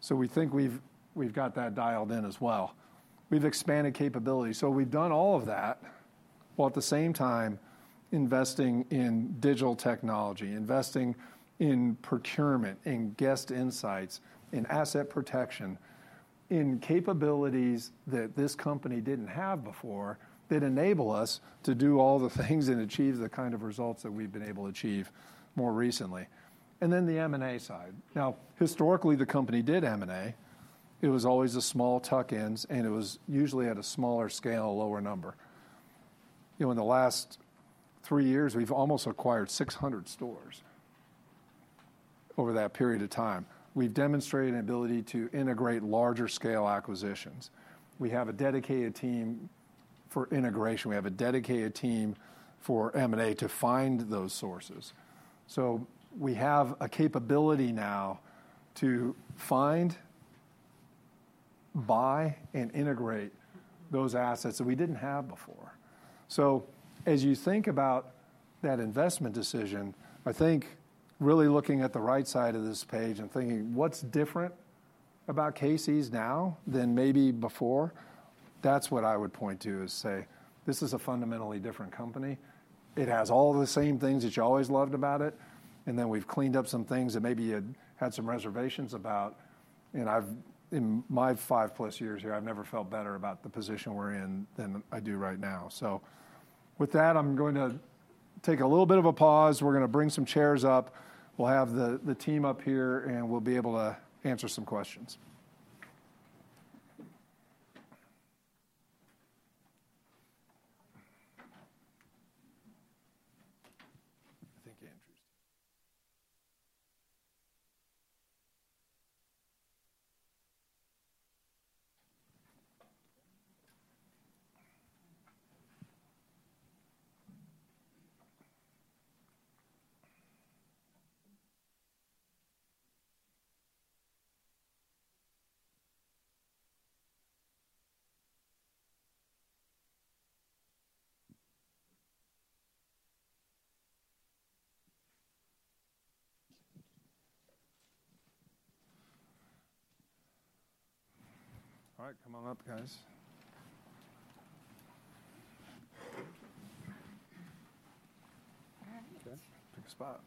So we think we've got that dialed in as well. We've expanded capabilities. So we've done all of that, while at the same time investing in digital technology, investing in procurement, in guest insights, in asset protection, in capabilities that this company didn't have before, that enable us to do all the things and achieve the kind of results that we've been able to achieve more recently, and then the M&A side. Now, historically, the company did M&A. It was always the small tuck-ins, and it was usually at a smaller scale, a lower number. You know, in the last three years, we've almost acquired 600 stores over that period of time. We've demonstrated an ability to integrate larger-scale acquisitions. We have a dedicated team for integration. We have a dedicated team for M&A to find those sources. So we have a capability now to find, buy, and integrate those assets that we didn't have before. So as you think about that investment decision, I think really looking at the right side of this page and thinking, what's different about Casey's now than maybe before? That's what I would point to, is say, "This is a fundamentally different company. It has all the same things that you always loved about it, and then we've cleaned up some things that maybe you had some reservations about. And I've, in my five-plus years here, I've never felt better about the position we're in than I do right now. So with that, I'm going to take a little bit of a pause. We're gonna bring some chairs up. We'll have the team up here, and we'll be able to answer some questions. I think Andrew's... All right, come on up, guys. All right. Okay, pick a spot.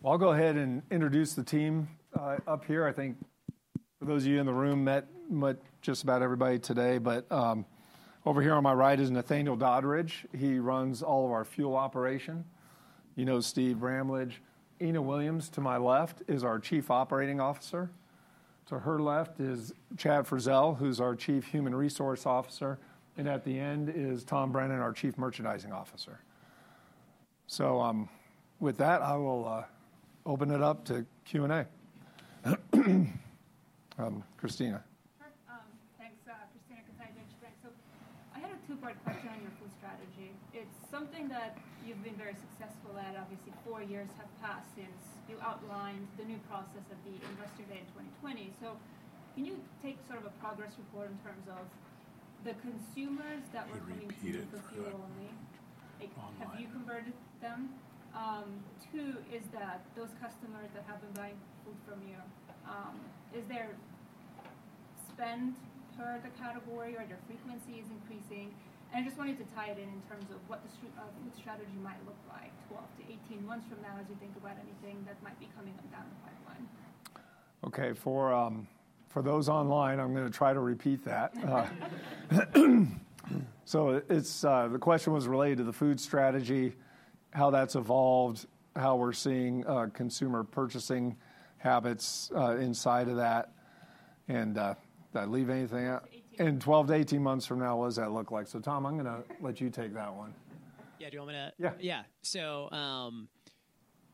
Well, I'll go ahead and introduce the team up here. I think for those of you in the room, met just about everybody today, but over here on my right is Nathaniel Doddridge. He runs all of our fuel operation. You know Steve Bramlage. Ena Williams, to my left, is our Chief Operating Officer. To her left is Chad Frizzell, who's our Chief Human Resources Officer, and at the end is Tom Brennan, our Chief Merchandising Officer. So, with that, I will open it up to Q&A. Christina. Sure. Thanks, Christina Contando, thanks. So I had a two-part question on your food strategy. It's something that you've been very successful at. Obviously, four years have passed since you outlined the new process at the Investor Day in 2020. So can you take sort of a progress report in terms of the consumers that were coming- Can you repeat it? For fuel only- Online... have you converted them? Two, is that those customers that have been buying food from you, is their spend per the category or their frequency increasing? And I just wanted to tie it in in terms of what the food strategy might look like 12-18 months from now, as you think about anything that might be coming up down the pipeline. Okay, for those online, I'm gonna try to repeat that. So it's the question was related to the food strategy, how that's evolved, how we're seeing consumer purchasing habits inside of that, and did I leave anything out? 18- 12 to 18 months from now, what does that look like? Tom, I'm gonna let you take that one. Yeah, do you want me to- Yeah. Yeah. So,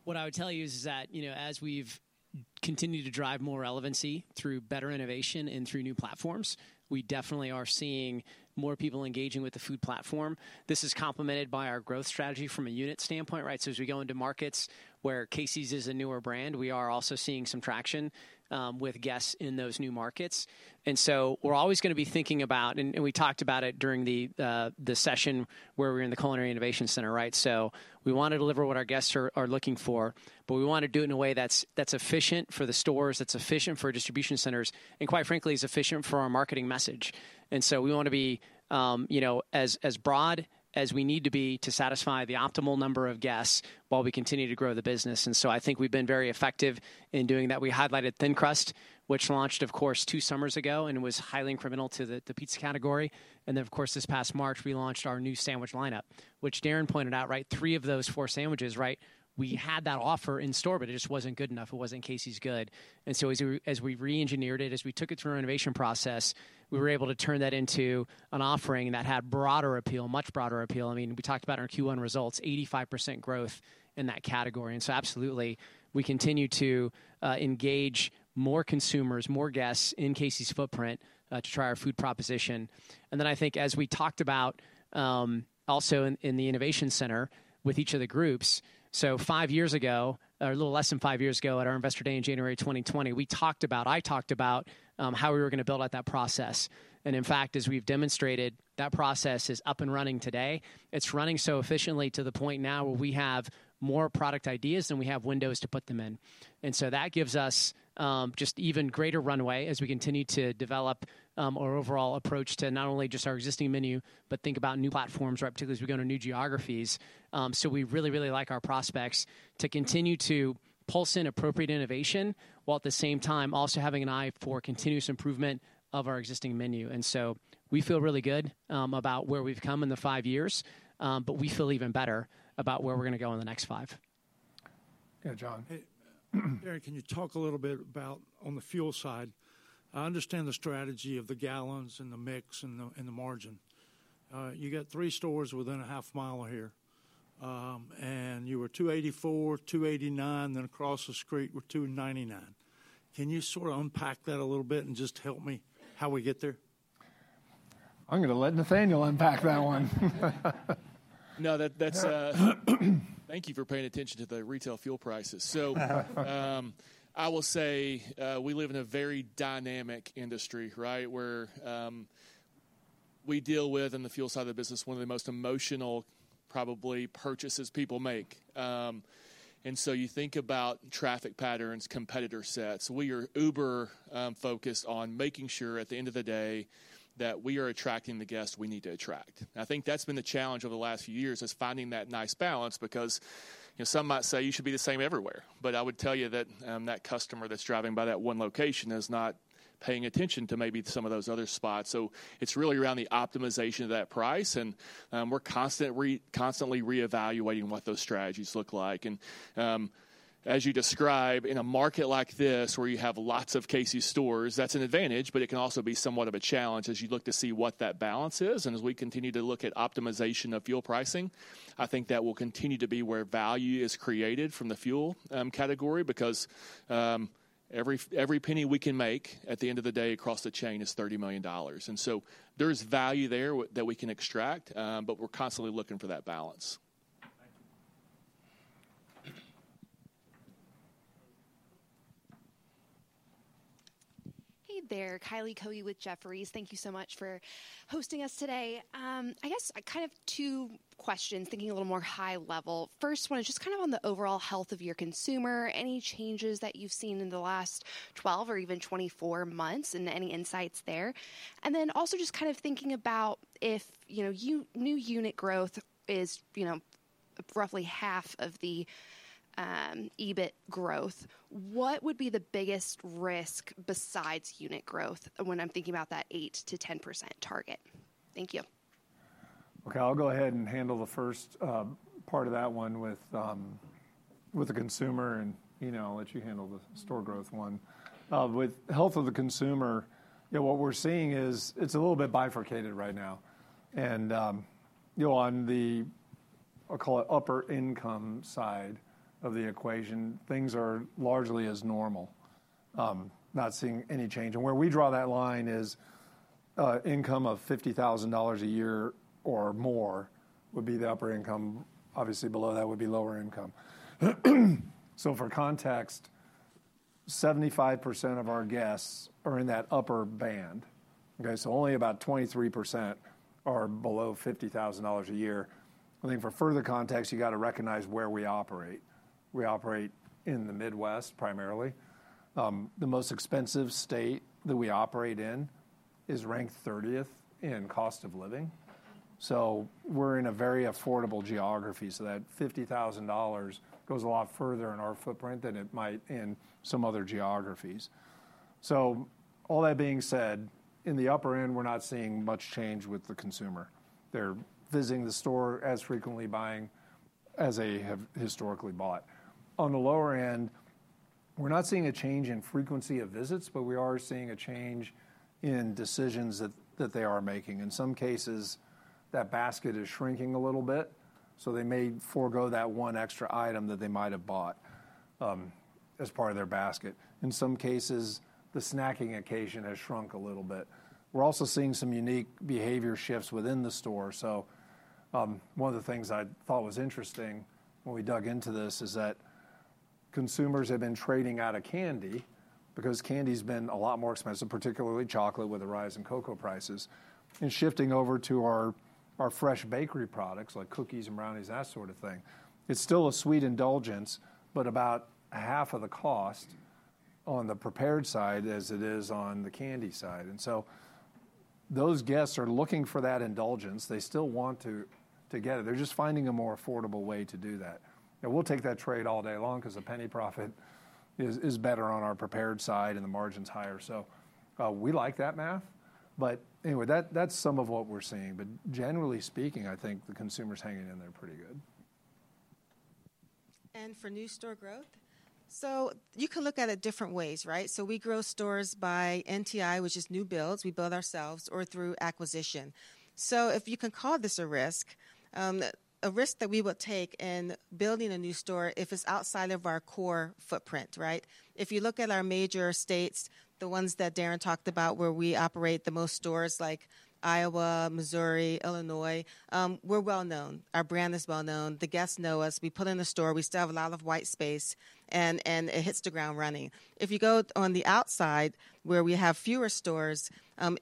what I would tell you is that, you know, as we've continued to drive more relevancy through better innovation and through new platforms, we definitely are seeing more people engaging with the food platform. This is complemented by our growth strategy from a unit standpoint, right? So as we go into markets where Casey's is a newer brand, we are also seeing some traction with guests in those new markets. And so we're always gonna be thinking about, and we talked about it during the session where we were in the Culinary Innovation Center, right? So we want to deliver what our guests are looking for, but we want to do it in a way that's efficient for the stores, that's efficient for distribution centers, and quite frankly, is efficient for our marketing message. And so we want to be, you know, as broad as we need to be to satisfy the optimal number of guests while we continue to grow the business. And so I think we've been very effective in doing that. We highlighted Thin Crust, which launched, of course, two summers ago and was highly incremental to the pizza category. And then, of course, this past March, we launched our new sandwich lineup, which Darren pointed out, right, three of those four sandwiches, right? We had that offer in store, but it just wasn't good enough. It wasn't Casey's good. And so as we reengineered it, as we took it through our innovation process, we were able to turn that into an offering that had broader appeal, much broader appeal. I mean, we talked about our Q1 results, 85% growth in that category, and so absolutely, we continue to engage more consumers, more guests in Casey's footprint, to try our food proposition. And then I think as we talked about, also in the innovation center with each of the groups, so five years ago, or a little less than five years ago, at our Investor Day in January 2020, we talked about. I talked about how we were gonna build out that process. And in fact, as we've demonstrated, that process is up and running today. It's running so efficiently to the point now where we have more product ideas than we have windows to put them in. And so that gives us, just even greater runway as we continue to develop, our overall approach to not only just our existing menu, but think about new platforms, right, particularly as we go to new geographies. So we really, really like our prospects to continue to pulse in appropriate innovation, while at the same time also having an eye for continuous improvement of our existing menu. And so we feel really good, about where we've come in the five years, but we feel even better about where we're gonna go in the next five. Yeah, John? Hey, Darren, can you talk a little bit about on the fuel side? I understand the strategy of the gallons and the mix and the margin. You got three stores within a half mile of here. ... and you were 284, 289, then across the street were 299. Can you sort of unpack that a little bit and just help me how we get there? I'm gonna let Nathaniel unpack that one. No, that, that's, thank you for paying attention to the retail fuel prices, so I will say, we live in a very dynamic industry, right? Where we deal with, on the fuel side of the business, one of the most emotional, probably, purchases people make, and so you think about traffic patterns, competitor sets. We are uber focused on making sure at the end of the day, that we are attracting the guests we need to attract. I think that's been the challenge over the last few years, is finding that nice balance, because, you know, some might say you should be the same everywhere, but I would tell you that, that customer that's driving by that one location is not paying attention to maybe some of those other spots. It's really around the optimization of that price, and we're constantly reevaluating what those strategies look like. As you describe, in a market like this, where you have lots of Casey's stores, that's an advantage, but it can also be somewhat of a challenge as you look to see what that balance is, and as we continue to look at optimization of fuel pricing, I think that will continue to be where value is created from the fuel category, because every penny we can make at the end of the day across the chain is $30 million. There is value there with that we can extract, but we're constantly looking for that balance. Thank you. Hey there, Kylie Kohi with Jefferies. Thank you so much for hosting us today. I guess I kind of two questions, thinking a little more high level. First one is just kind of on the overall health of your consumer. Any changes that you've seen in the last twelve or even twenty-four months, and any insights there? And then also just kind of thinking about if, you know, new unit growth is, you know, roughly half of the EBIT growth. What would be the biggest risk besides unit growth when I'm thinking about that 8%-10% target? Thank you. Okay, I'll go ahead and handle the first part of that one with the consumer, and, you know, I'll let you handle the store growth one. With health of the consumer, yeah, what we're seeing is it's a little bit bifurcated right now. And, you know, on the, I'll call it upper income side of the equation, things are largely as normal. Not seeing any change. And where we draw that line is income of $50,000 a year or more would be the upper income. Obviously, below that would be lower income. So for context, 75% of our guests are in that upper band. Okay, so only about 23% are below $50,000 a year. I think for further context, you got to recognize where we operate. We operate in the Midwest, primarily. The most expensive state that we operate in is ranked thirtieth in cost of living, so we're in a very affordable geography. So that $50,000 goes a lot further in our footprint than it might in some other geographies. So all that being said, in the upper end, we're not seeing much change with the consumer. They're visiting the store as frequently, buying as they have historically bought. On the lower end, we're not seeing a change in frequency of visits, but we are seeing a change in decisions that they are making. In some cases, that basket is shrinking a little bit, so they may forego that one extra item that they might have bought as part of their basket. In some cases, the snacking occasion has shrunk a little bit. We're also seeing some unique behavior shifts within the store. So, one of the things I thought was interesting when we dug into this is that consumers have been trading out of candy, because candy's been a lot more expensive, particularly chocolate, with the rise in cocoa prices, and shifting over to our fresh bakery products like cookies and brownies, that sort of thing. It's still a sweet indulgence, but about half of the cost on the prepared side as it is on the candy side. And so those guests are looking for that indulgence. They still want to get it. They're just finding a more affordable way to do that. And we'll take that trade all day long because a penny profit is better on our prepared side and the margin's higher. So, we like that math. But anyway, that's some of what we're seeing. But generally speaking, I think the consumer's hanging in there pretty good. For new store growth? You can look at it different ways, right? We grow stores by NTI, which is new builds, we build ourselves, or through acquisition. If you can call this a risk, a risk that we would take in building a new store, if it's outside of our core footprint, right? If you look at our major states, the ones that Darren talked about, where we operate the most stores, like Iowa, Missouri, Illinois, we're well-known. Our brand is well-known. The guests know us. We put in a store, we still have a lot of white space, and it hits the ground running. If you go on the outside, where we have fewer stores,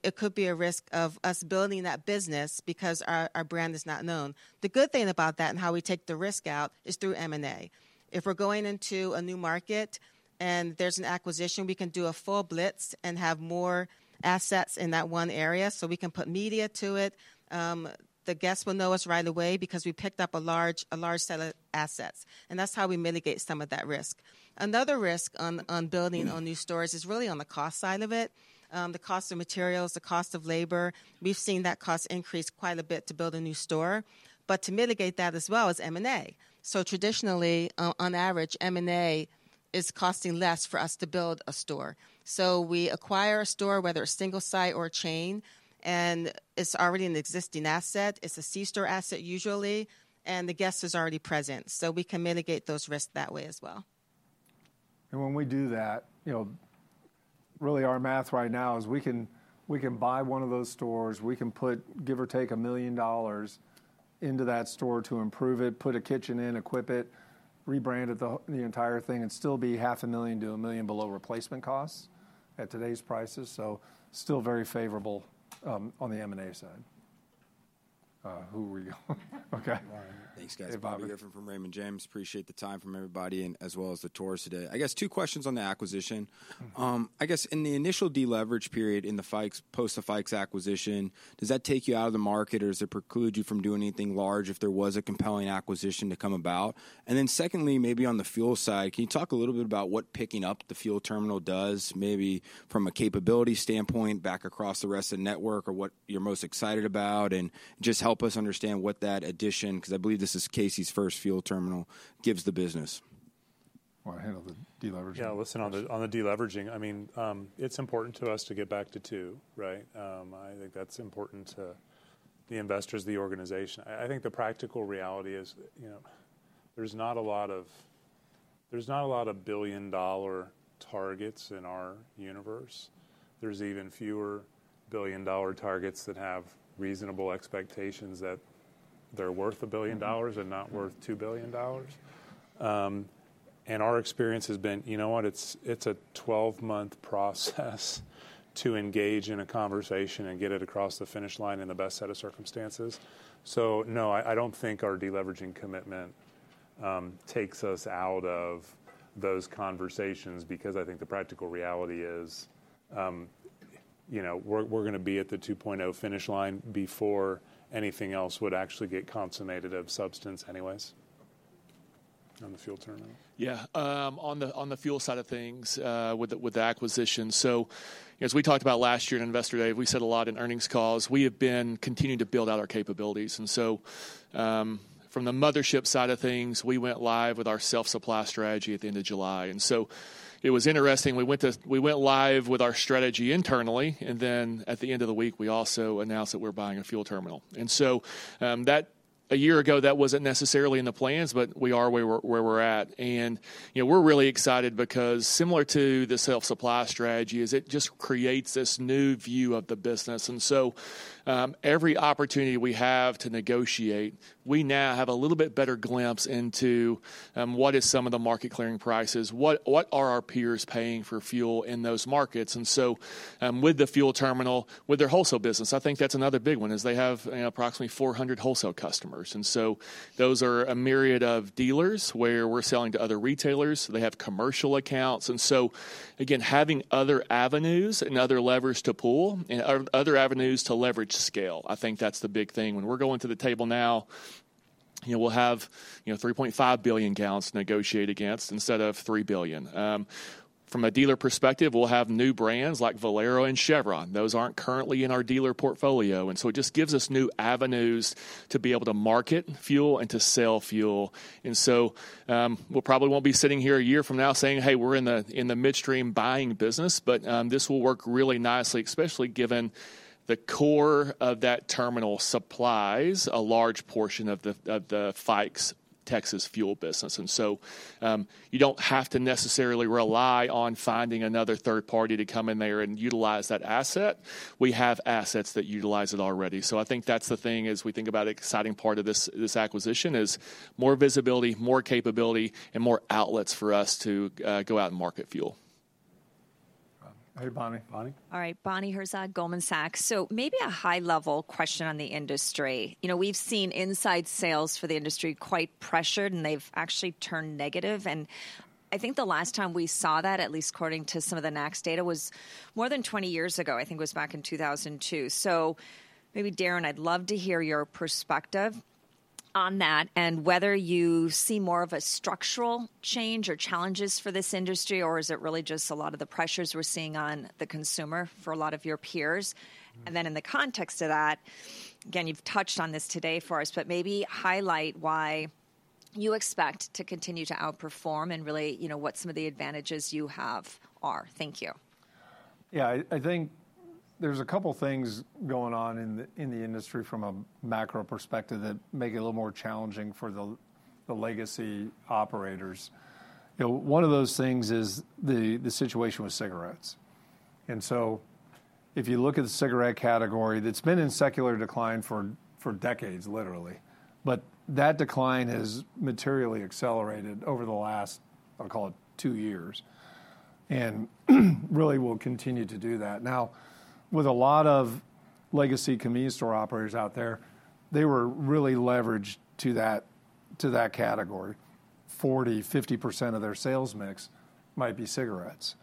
it could be a risk of us building that business because our brand is not known. The good thing about that, and how we take the risk out, is through M&A. If we're going into a new market and there's an acquisition, we can do a full blitz and have more assets in that one area, so we can put media to it. The guests will know us right away because we picked up a large set of assets, and that's how we mitigate some of that risk. Another risk on building new stores is really on the cost side of it. The cost of materials, the cost of labor, we've seen that cost increase quite a bit to build a new store, but to mitigate that as well is M&A.... So traditionally, on average, M&A is costing less for us to build a store, so we acquire a store, whether it's single site or a chain, and it's already an existing asset. It's a C-store asset usually, and the guest is already present, so we can mitigate those risks that way as well. When we do that, you know, really, our math right now is we can buy one of those stores, we can put, give or take, $1 million into that store to improve it, put a kitchen in, equip it, rebrand it, the entire thing, and still be $500,000 to $1 million below replacement costs at today's prices, so still very favorable on the M&A side. Who were you? Okay. Thanks, guys. Hey, Bobby. Bobby Griffin from Raymond James. Appreciate the time from everybody and as well as the tours today. I guess two questions on the acquisition. Mm. I guess in the initial deleverage period, in the Fikes, post the Fikes acquisition, does that take you out of the market, or does it preclude you from doing anything large if there was a compelling acquisition to come about? And then secondly, maybe on the fuel side, can you talk a little bit about what picking up the fuel terminal does, maybe from a capability standpoint, back across the rest of the network, or what you're most excited about? And just help us understand what that addition, because I believe this is Casey's first fuel terminal, gives the business. Want to handle the deleveraging? Yeah. Listen, on the deleveraging, I mean, it's important to us to get back to two, right? I think that's important to the investors, the organization. I think the practical reality is, you know, there's not a lot of billion-dollar targets in our universe. There's even fewer billion-dollar targets that have reasonable expectations that they're worth a billion dollars- Mm-hmm... and not worth $2 billion. And our experience has been, you know what? It's a twelve-month process to engage in a conversation and get it across the finish line in the best set of circumstances. So no, I don't think our deleveraging commitment takes us out of those conversations because I think the practical reality is, you know, we're gonna be at the two-point-oh finish line before anything else would actually get consummated of substance anyways. On the fuel terminal? Yeah. On the fuel side of things, with the acquisition, so as we talked about last year in Investor Day, we said a lot in earnings calls. We have been continuing to build out our capabilities. From the mothership side of things, we went live with our self-supply strategy at the end of July. It was interesting. We went live with our strategy internally, and then, at the end of the week, we also announced that we're buying a fuel terminal. That... A year ago, that wasn't necessarily in the plans, but we are where we're at. You know, we're really excited because similar to the self-supply strategy is it just creates this new view of the business. And so, every opportunity we have to negotiate, we now have a little bit better glimpse into what is some of the market clearing prices, what our peers are paying for fuel in those markets? And so, with the fuel terminal, with their wholesale business, I think that's another big one, is they have approximately 400 wholesale customers, and so those are a myriad of dealers where we're selling to other retailers. They have commercial accounts. And so again, having other avenues and other levers to pull and other avenues to leverage scale, I think that's the big thing. When we're going to the table now, you know, we'll have, you know, 3.5 billion gallons to negotiate against instead of 3 billion. From a dealer perspective, we'll have new brands like Valero and Chevron. Those aren't currently in our dealer portfolio, and so it just gives us new avenues to be able to market fuel and to sell fuel. And so, we probably won't be sitting here a year from now saying: Hey, we're in the midstream buying business. But, this will work really nicely, especially given the core of that terminal supplies a large portion of the Fikes' Texas fuel business. And so, you don't have to necessarily rely on finding another third party to come in there and utilize that asset. We have assets that utilize it already. So I think that's the thing, as we think about exciting part of this acquisition, is more visibility, more capability, and more outlets for us to go out and market fuel. Hey, Bonnie. Bonnie? All right, Bonnie Herzog, Goldman Sachs. So maybe a high-level question on the industry. You know, we've seen inside sales for the industry quite pressured, and they've actually turned negative. And I think the last time we saw that, at least according to some of the NACS data, was more than twenty years ago. I think it was back in 2002. So maybe, Darren, I'd love to hear your perspective on that and whether you see more of a structural change or challenges for this industry, or is it really just a lot of the pressures we're seeing on the consumer for a lot of your peers? Mm. And then, in the context of that, again, you've touched on this today for us, but maybe highlight why you expect to continue to outperform and really, you know, what some of the advantages you have are. Thank you. Yeah, I think there's a couple things going on in the industry from a macro perspective that make it a little more challenging for the legacy operators. You know, one of those things is the situation with cigarettes. And so if you look at the cigarette category, that's been in secular decline for decades, literally. But that decline has materially accelerated over the last, I'll call it, two years, and really will continue to do that. Now, with a lot of legacy convenience store operators out there, they were really leveraged to that category. 40%-50% of their sales mix might be cigarettes.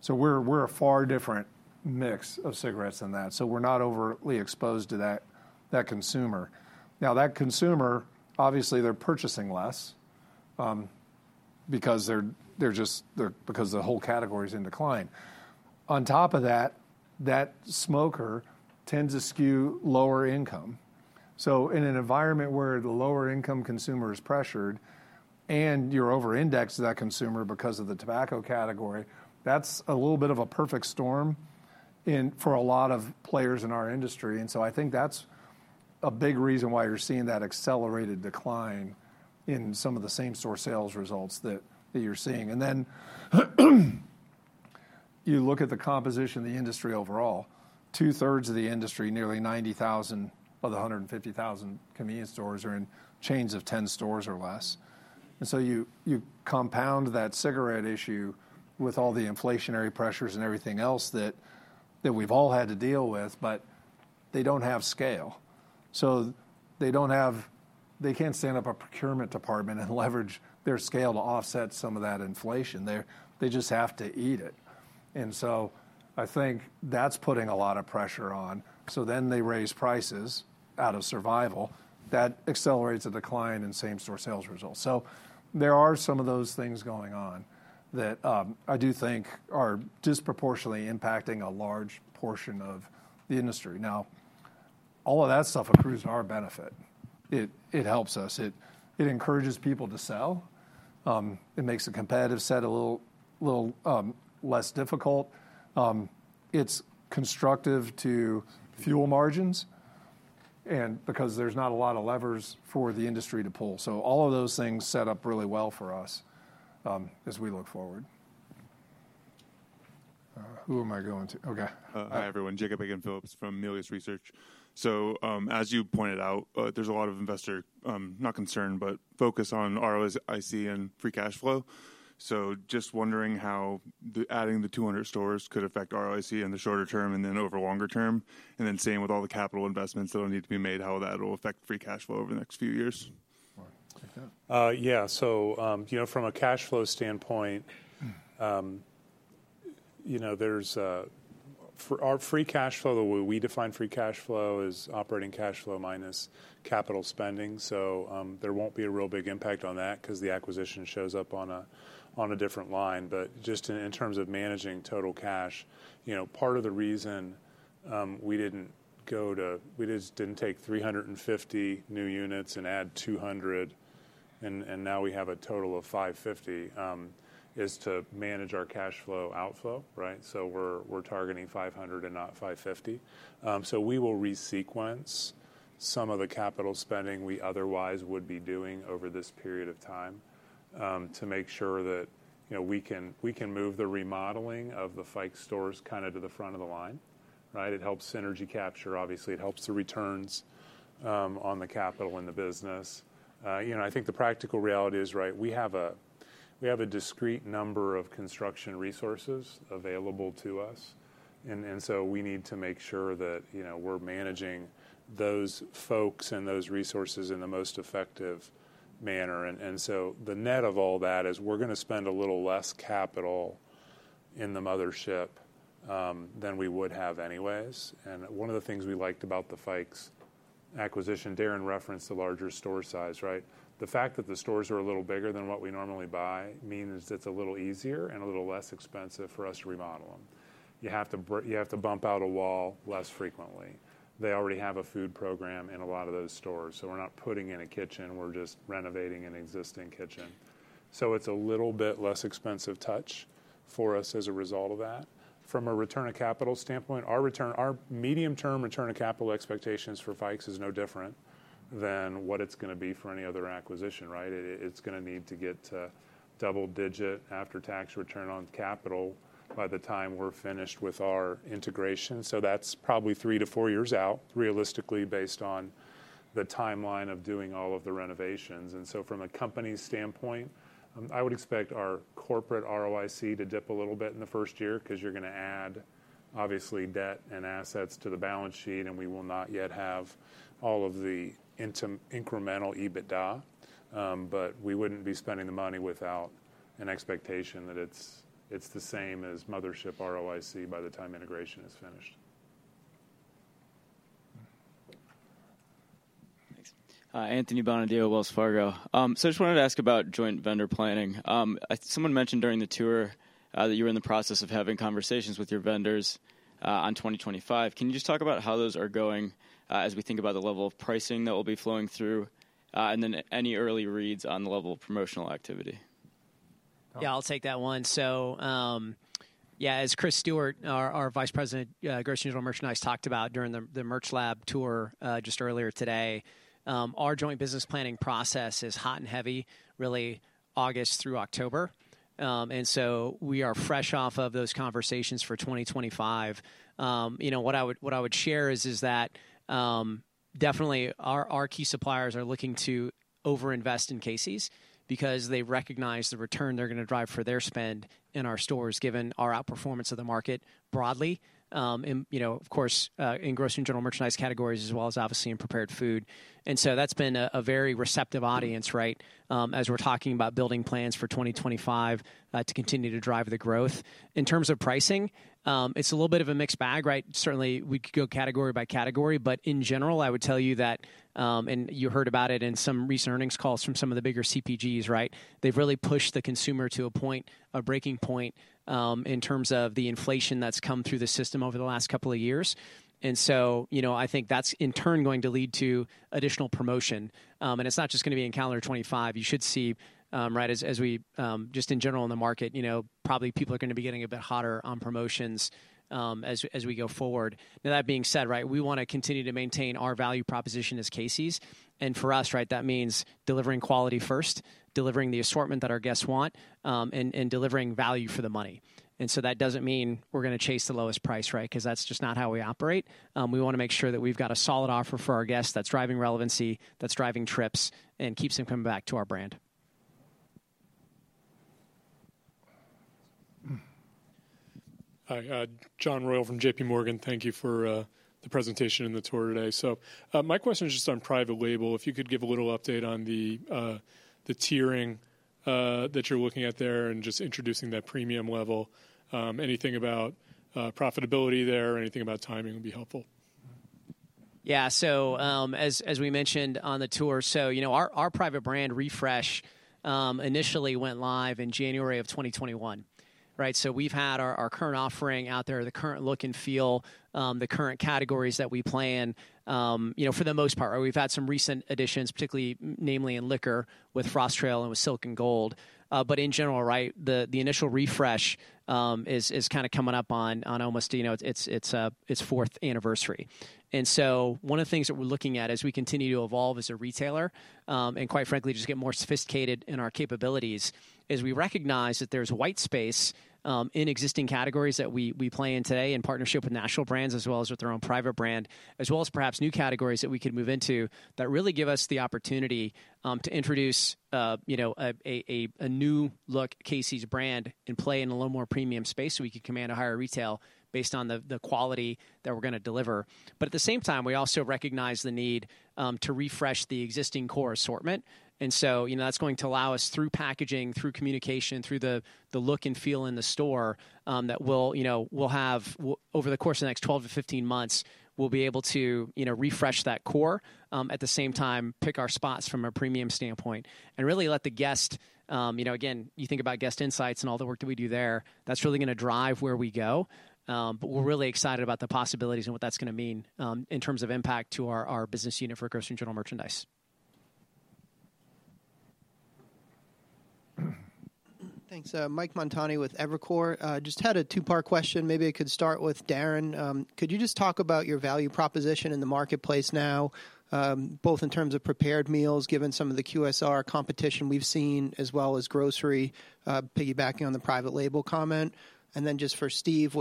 So we're a far different mix of cigarettes than that, so we're not overly exposed to that consumer. Now, that consumer, obviously, they're purchasing less. because they're just because the whole category is in decline. On top of that, that smoker tends to skew lower income. So in an environment where the lower income consumer is pressured, and you're over-indexed to that consumer because of the tobacco category, that's a little bit of a perfect storm in for a lot of players in our industry. And so I think that's a big reason why you're seeing that accelerated decline in some of the same-store sales results that you're seeing. And then, you look at the composition of the industry overall. Two-thirds of the industry, nearly ninety thousand of the hundred and fifty thousand convenience stores, are in chains of ten stores or less. And so you compound that cigarette issue with all the inflationary pressures and everything else that we've all had to deal with, but they don't have scale. So they can't stand up a procurement department and leverage their scale to offset some of that inflation. They just have to eat it, and so I think that's putting a lot of pressure on. So then they raise prices out of survival. That accelerates a decline in same-store sales results. So there are some of those things going on that I do think are disproportionately impacting a large portion of the industry. Now, all of that stuff accrues to our benefit. It, it helps us. It, it encourages people to sell. It makes the competitive set a little less difficult. It's constructive to fuel margins, and because there's not a lot of levers for the industry to pull. So all of those things set up really well for us as we look forward. Who am I going to? Okay. Hi, everyone. Jacob Phillips from Melius Research. So, as you pointed out, there's a lot of investor, not concern, but focus on ROIC and free cash flow. So just wondering how adding the 200 stores could affect ROIC in the shorter term and then over longer term, and then same with all the capital investments that will need to be made, how that will affect free cash flow over the next few years? All right. Take that. Yeah. So, you know, from a cash flow standpoint, you know, there's a... For our free cash flow, the way we define free cash flow is operating cash flow minus capital spending. So, there won't be a real big impact on that 'cause the acquisition shows up on a different line. But just in terms of managing total cash, you know, part of the reason we didn't go to-- we just didn't take three hundred and fifty new units and add two hundred, and now we have a total of five fifty is to manage our cash flow outflow, right? So we're targeting five hundred and not five fifty. So we will resequence some of the capital spending we otherwise would be doing over this period of time, to make sure that, you know, we can move the remodeling of the Fikes stores kind of to the front of the line, right? It helps synergy capture. Obviously, it helps the returns on the capital in the business. You know, I think the practical reality is, right, we have a discrete number of construction resources available to us, and so we need to make sure that, you know, we're managing those folks and those resources in the most effective manner. And so the net of all that is we're gonna spend a little less capital in the mothership than we would have anyways. One of the things we liked about the Fikes acquisition, Darren referenced the larger store size, right? The fact that the stores are a little bigger than what we normally buy means it's a little easier and a little less expensive for us to remodel them. You have to bump out a wall less frequently. They already have a food program in a lot of those stores, so we're not putting in a kitchen, we're just renovating an existing kitchen. So it's a little bit less expensive touch for us as a result of that. From a return on capital standpoint, our return, our medium-term return on capital expectations for Fikes is no different than what it's gonna be for any other acquisition, right? It's gonna need to get to double-digit after-tax return on capital by the time we're finished with our integration. So that's probably 3 years-4 years out, realistically, based on the timeline of doing all of the renovations. And so from a company standpoint, I would expect our corporate ROIC to dip a little bit in the first year, 'cause you're gonna add, obviously, debt and assets to the balance sheet, and we will not yet have all of the incremental EBITDA. But we wouldn't be spending the money without an expectation that it's the same as mothership ROIC by the time integration is finished. Thanks. Anthony Bonadio, Wells Fargo. So I just wanted to ask about joint business planning. Someone mentioned during the tour that you were in the process of having conversations with your vendors on twenty twenty-five. Can you just talk about how those are going as we think about the level of pricing that will be flowing through and then any early reads on the level of promotional activity? Yeah, I'll take that one. So, yeah, as Chris Stewart, our vice president, grocery and general merchandise, talked about during the Merch Lab tour just earlier today, our joint business planning process is hot and heavy, really August through October, and so we are fresh off of those conversations for 2025. You know, what I would share is that definitely our key suppliers are looking to-... over-invest in Casey's, because they recognize the return they're gonna drive for their spend in our stores, given our outperformance of the market broadly, and, you know, of course, in grocery and general merchandise categories, as well as obviously in prepared food, and so that's been a very receptive audience, right? As we're talking about building plans for twenty twenty-five to continue to drive the growth. In terms of pricing, it's a little bit of a mixed bag, right? Certainly, we could go category by category, but in general, I would tell you that, and you heard about it in some recent earnings calls from some of the bigger CPGs, right? They've really pushed the consumer to a point, a breaking point, in terms of the inflation that's come through the system over the last couple of years. You know, I think that's, in turn, going to lead to additional promotion. And it's not just gonna be in calendar 2025. You should see, right, as we just in general in the market, you know, probably people are gonna be getting a bit hotter on promotions as we go forward. Now, that being said, right, we wanna continue to maintain our value proposition as Casey's, and for us, right, that means delivering quality first, delivering the assortment that our guests want, and delivering value for the money. That doesn't mean we're gonna chase the lowest price, right? 'Cause that's just not how we operate. We wanna make sure that we've got a solid offer for our guests that's driving relevancy, that's driving trips, and keeps them coming back to our brand. Hi, John Royal from J.P. Morgan. Thank you for the presentation and the tour today. So, my question is just on private label. If you could give a little update on the tiering that you're looking at there, and just introducing that premium level. Anything about profitability there, or anything about timing would be helpful. Yeah. So, as we mentioned on the tour, so, you know, our private brand refresh initially went live in January of twenty twenty-one, right? So we've had our current offering out there, the current look and feel, the current categories that we plan, you know, for the most part. We've had some recent additions, particularly, namely in liquor, with Frost Trail and with Silk & Gold. But in general, right, the initial refresh is kinda coming up on almost, you know, it's fourth anniversary. And so one of the things that we're looking at as we continue to evolve as a retailer, and quite frankly, just get more sophisticated in our capabilities, is we recognize that there's white space, in existing categories that we play in today in partnership with national brands, as well as with our own private brand, as well as perhaps new categories that we could move into, that really give us the opportunity, to introduce, you know, a new-look Casey's brand and play in a little more premium space, so we could command a higher retail based on the quality that we're gonna deliver. But at the same time, we also recognize the need, to refresh the existing core assortment. And so, you know, that's going to allow us, through packaging, through communication, through the look and feel in the store, that we'll, you know, we'll have over the course of the next 12 to 15 months, we'll be able to, you know, refresh that core. At the same time, pick our spots from a premium standpoint, and really let the guest. You know, again, you think about guest insights and all the work that we do there, that's really gonna drive where we go. But we're really excited about the possibilities and what that's gonna mean, in terms of impact to our business unit for grocery and general merchandise. Thanks. Mike Montani with Evercore. Just had a two-part question. Maybe I could start with Darren. Could you just talk about your value proposition in the marketplace now, both in terms of prepared meals, given some of the QSR competition we've seen, as well as grocery, piggybacking on the private label comment? And then, just for Steve,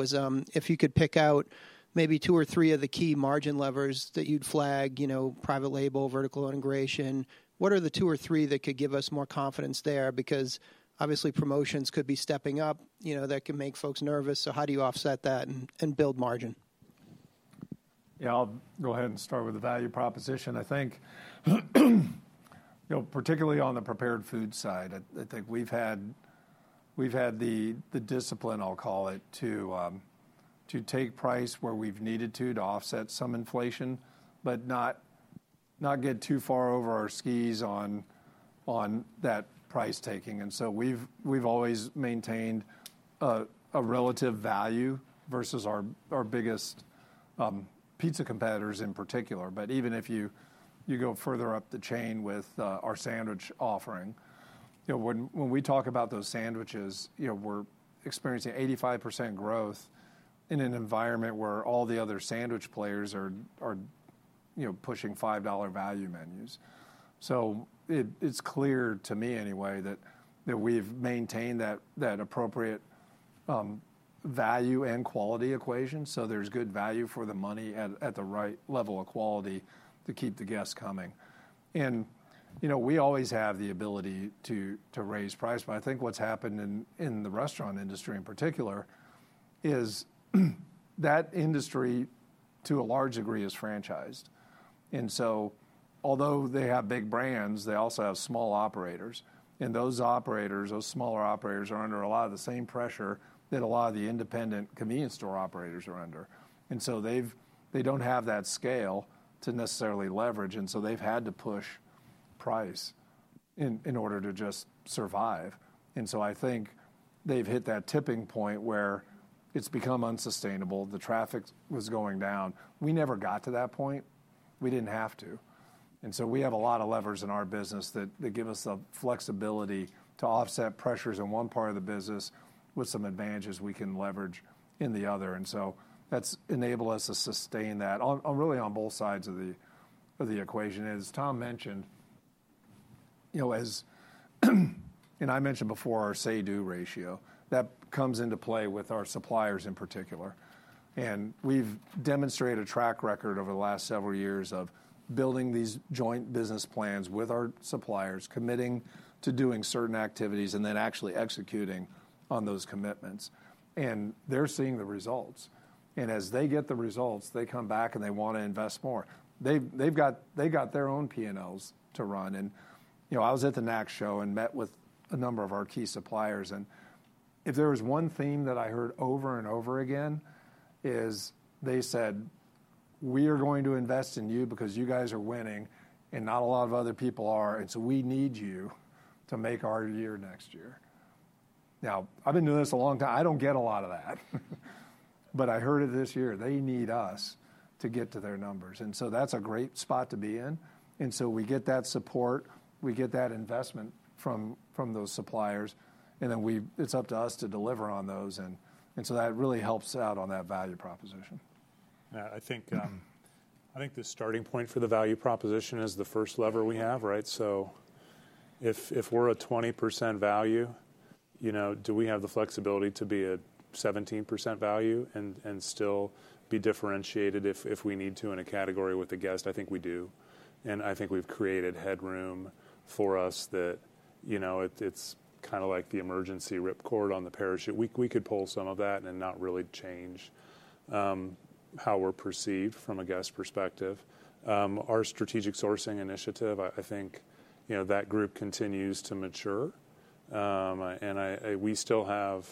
if you could pick out maybe two or three of the key margin levers that you'd flag, you know, private label, vertical integration. What are the two or three that could give us more confidence there? Because obviously, promotions could be stepping up. You know, that can make folks nervous, so how do you offset that and build margin? Yeah, I'll go ahead and start with the value proposition. I think, you know, particularly on the prepared food side, I think we've had the discipline, I'll call it, to take price where we've needed to, to offset some inflation, but not get too far over our skis on that price taking. And so we've always maintained a relative value versus our biggest pizza competitors in particular. But even if you go further up the chain with our sandwich offering, you know, when we talk about those sandwiches, you know, we're experiencing 85% growth in an environment where all the other sandwich players are, you know, pushing $5 value menus. So it's clear to me anyway that we've maintained that appropriate value and quality equation, so there's good value for the money at the right level of quality to keep the guests coming. And you know, we always have the ability to raise price, but I think what's happened in the restaurant industry in particular is that industry to a large degree is franchised. And so although they have big brands, they also have small operators, and those smaller operators are under a lot of the same pressure that a lot of the independent convenience store operators are under. And so they don't have that scale to necessarily leverage, and so they've had to push price in order to just survive. And so I think they've hit that tipping point where it's become unsustainable. The traffic was going down. We never got to that point. We didn't have to. And so we have a lot of levers in our business that give us the flexibility to offset pressures in one part of the business with some advantages we can leverage in the other. And so that's enabled us to sustain that on really, on both sides of the equation. And as Tom mentioned, you know. And I mentioned before our say-do ratio. That comes into play with our suppliers, in particular. And we've demonstrated a track record over the last several years of building these joint business plans with our suppliers, committing to doing certain activities, and then actually executing on those commitments. And they're seeing the results, and as they get the results, they come back, and they want to invest more. They've got their own P&Ls to run. You know, I was at the NACS Show, and met with a number of our key suppliers, and if there was one theme that I heard over and over again, is they said: "We are going to invest in you because you guys are winning, and not a lot of other people are. And so we need you to make our year next year." Now, I've been doing this a long time. I don't get a lot of that, but I heard it this year. They need us to get to their numbers, and so that's a great spot to be in. And so we get that support, we get that investment from those suppliers, and then it's up to us to deliver on those, and so that really helps out on that value proposition. Yeah, I think the starting point for the value proposition is the first lever we have, right? So if we're a 20% value, you know, do we have the flexibility to be a 17% value and still be differentiated if we need to, in a category with a guest? I think we do, and I think we've created headroom for us that, you know, it's kind of like the emergency rip cord on the parachute. We could pull some of that and not really change how we're perceived from a guest perspective. Our strategic sourcing initiative, I think, you know, that group continues to mature. And I... We still have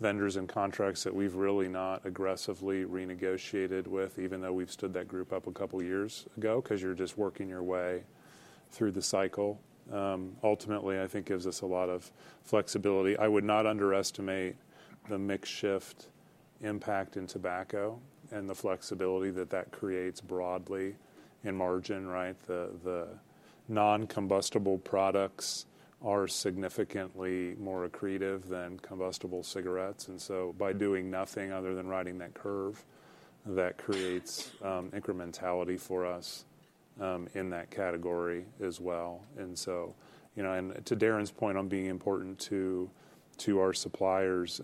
vendors and contracts that we've really not aggressively renegotiated with, even though we've stood that group up a couple years ago, 'cause you're just working your way through the cycle. Ultimately, I think gives us a lot of flexibility. I would not underestimate the mix shift impact in tobacco and the flexibility that that creates broadly in margin, right? The, the non-combustible products are significantly more accretive than combustible cigarettes, and so by doing nothing other than riding that curve, that creates, incrementality for us, in that category as well. And so, you know, and to Darren's point on being important to, to our suppliers,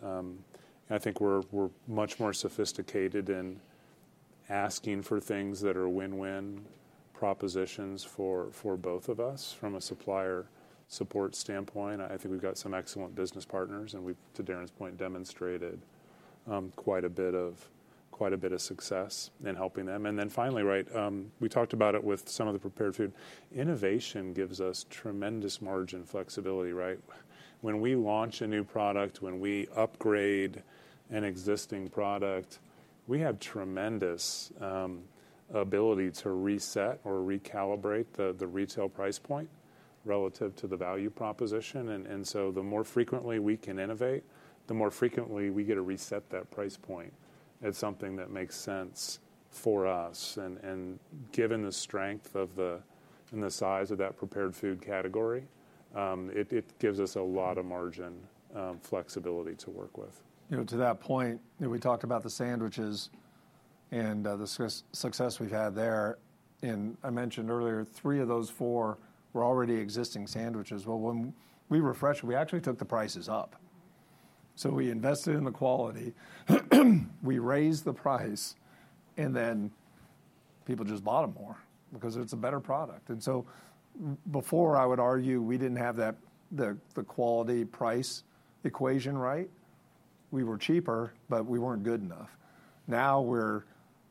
I think we're, we're much more sophisticated in asking for things that are win-win propositions for, for both of us. From a supplier support standpoint, I think we've got some excellent business partners, and we've to Darren's point demonstrated quite a bit of success in helping them. And then finally, right, we talked about it with some of the prepared food. Innovation gives us tremendous margin flexibility, right? When we launch a new product, when we upgrade an existing product, we have tremendous ability to reset or recalibrate the retail price point relative to the value proposition. And so the more frequently we can innovate, the more frequently we get to reset that price point at something that makes sense for us. And given the strength of the and the size of that prepared food category, it gives us a lot of margin flexibility to work with. You know, to that point, you know, we talked about the sandwiches and the success we've had there, and I mentioned earlier, three of those four were already existing sandwiches. Well, when we refreshed, we actually took the prices up. So we invested in the quality, we raised the price, and then people just bought them more because it's a better product. And so before I would argue, we didn't have that the quality-price equation right. We were cheaper, but we weren't good enough. Now, we're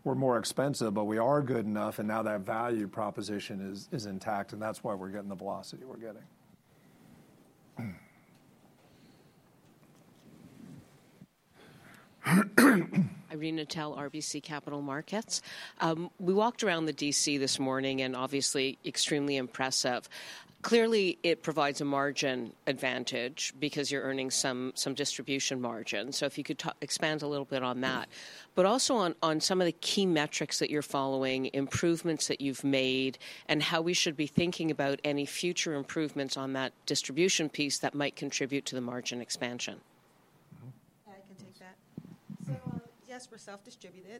more expensive, but we are good enough, and now that value proposition is intact, and that's why we're getting the velocity we're getting. Irene Nattel, RBC Capital Markets. We walked around the DC this morning, and obviously extremely impressive. Clearly, it provides a margin advantage because you're earning some distribution margin, so if you could talk, expand a little bit on that. But also on some of the key metrics that you're following, improvements that you've made, and how we should be thinking about any future improvements on that distribution piece that might contribute to the margin expansion. Mm-hmm. I can take that. So yes, we're self-distributed,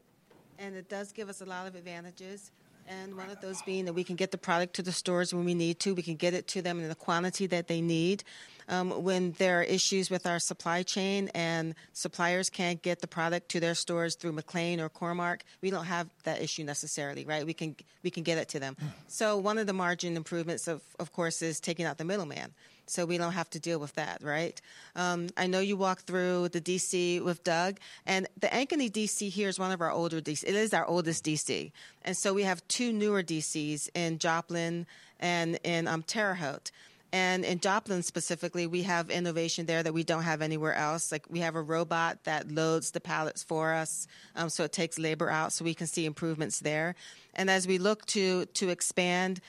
and it does give us a lot of advantages, and one of those being that we can get the product to the stores when we need to. We can get it to them in the quantity that they need. When there are issues with our supply chain, and suppliers can't get the product to their stores through McLane or CoreMark, we don't have that issue necessarily, right? We can get it to them. Mm. One of the margin improvements, of course, is taking out the middleman. So we don't have to deal with that, right? I know you walked through the DC with Doug, and the Ankeny DC here is one of our older DC. It is our oldest DC, and so we have two newer DCs in Joplin and in Terre Haute. And in Joplin specifically, we have innovation there that we don't have anywhere else. Like, we have a robot that loads the pallets for us, so it takes labor out, so we can see improvements there. And as we look to expand,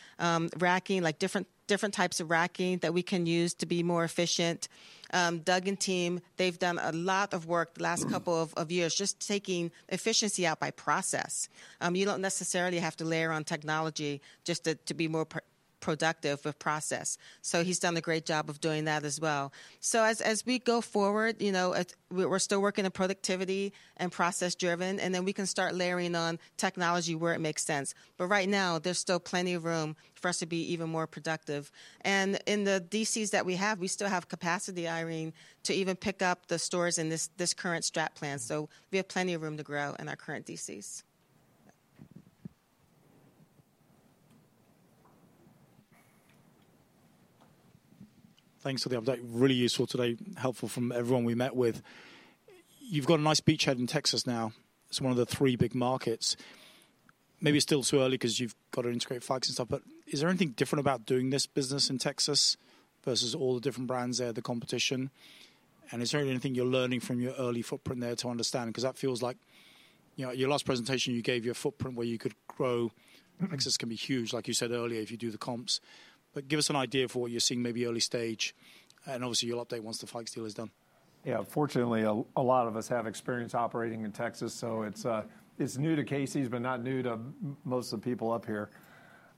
racking, like, different types of racking that we can use to be more efficient, Doug and team, they've done a lot of work the last- Mm... couple of years, just taking efficiency out by process. You don't necessarily have to layer on technology just to be more productive with process. So he's done a great job of doing that as well. So as we go forward, you know, we're still working on productivity and process-driven, and then we can start layering on technology where it makes sense. But right now, there's still plenty of room for us to be even more productive. And in the DCs that we have, we still have capacity, Irene, to even pick up the stores in this current strat plan. So we have plenty of room to grow in our current DCs. Thanks for the update. Really useful today, helpful from everyone we met with. You've got a nice beachhead in Texas now. It's one of the three big markets. Maybe it's still too early, 'cause you've got to integrate Fikes and stuff, but is there anything different about doing this business in Texas versus all the different brands there, the competition? And is there anything you're learning from your early footprint there to understand? 'Cause that feels like, you know, your last presentation you gave, your footprint where you could grow, Texas can be huge, like you said earlier, if you do the comps. But give us an idea of what you're seeing, maybe early stage, and obviously you'll update once the Fikes deal is done. Yeah, fortunately, a lot of us have experience operating in Texas, so it's new to Casey's, but not new to most of the people up here.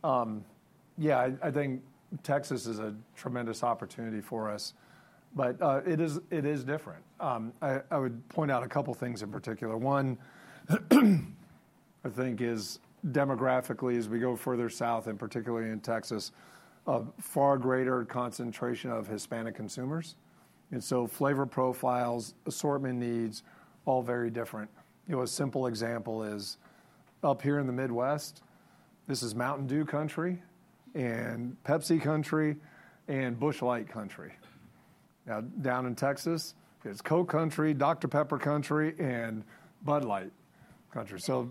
Yeah, I think Texas is a tremendous opportunity for us, but it is different. I would point out a couple things in particular. One, I think, is demographically, as we go further south, and particularly in Texas, a far greater concentration of Hispanic consumers. And so flavor profiles, assortment needs, all very different. You know, a simple example is up here in the Midwest, this is Mountain Dew country, and Pepsi country, and Busch Light country. Now, down in Texas, it's Coke country, Dr. Pepper country, and Bud Light country. So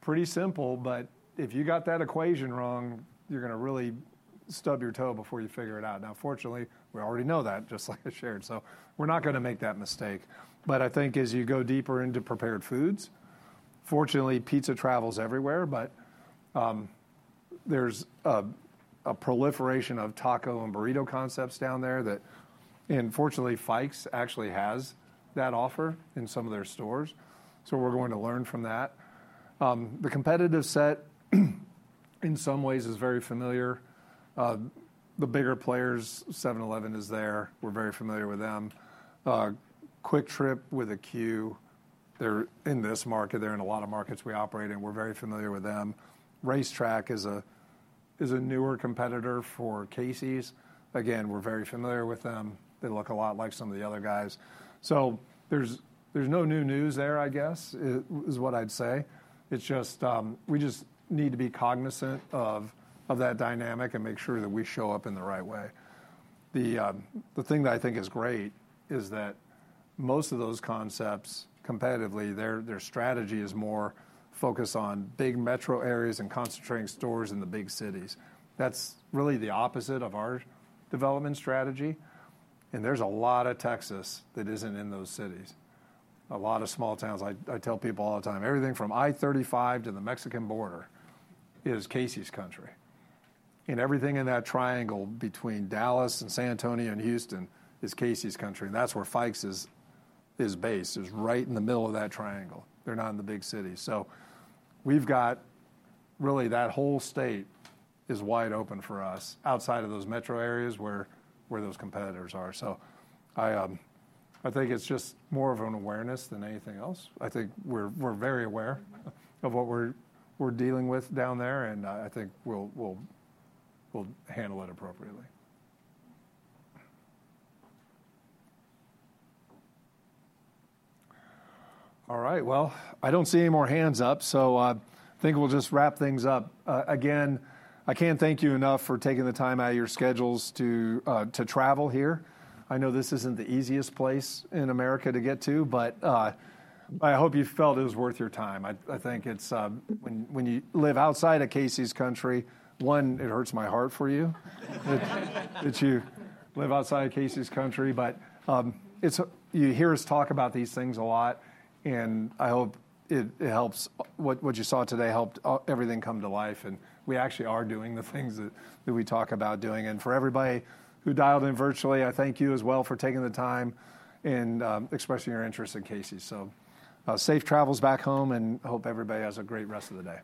pretty simple, but if you got that equation wrong, you're gonna really stub your toe before you figure it out. Now, fortunately, we already know that, just like I shared, so we're not gonna make that mistake. But I think as you go deeper into prepared foods, fortunately, pizza travels everywhere, but there's a proliferation of taco and burrito concepts down there that, and fortunately, Fikes actually has that offer in some of their stores, so we're going to learn from that. The competitive set in some ways is very familiar. The bigger players, 7-Eleven is there. We're very familiar with them. QuikTrip with a Q, they're in this market, they're in a lot of markets we operate in, we're very familiar with them. RaceTrac is a newer competitor for Casey's. Again, we're very familiar with them. They look a lot like some of the other guys. So there's no new news there, I guess, is what I'd say. It's just, we just need to be cognizant of that dynamic and make sure that we show up in the right way. The thing that I think is great is that most of those concepts, competitively, their strategy is more focused on big metro areas and concentrating stores in the big cities. That's really the opposite of our development strategy, and there's a lot of Texas that isn't in those cities, a lot of small towns. I tell people all the time, everything from I-35 to the Mexican border is Casey's country, and everything in that triangle between Dallas, and San Antonio, and Houston is Casey's country, and that's where Fikes is based, right in the middle of that triangle. They're not in the big cities. So we've got really, that whole state is wide open for us, outside of those metro areas where those competitors are. So I think it's just more of an awareness than anything else. I think we're very aware of what we're dealing with down there, and I think we'll handle it appropriately. All right, well, I don't see any more hands up, so I think we'll just wrap things up. Again, I can't thank you enough for taking the time out of your schedules to travel here. I know this isn't the easiest place in America to get to, but I hope you felt it was worth your time. I think it's... When you live outside of Casey's country, one, it hurts my heart for you, that you live outside of Casey's country. But it's you hear us talk about these things a lot, and I hope it helps. What you saw today helped everything come to life, and we actually are doing the things that we talk about doing. And for everybody who dialed in virtually, I thank you as well for taking the time and expressing your interest in Casey's. So, safe travels back home, and I hope everybody has a great rest of the day.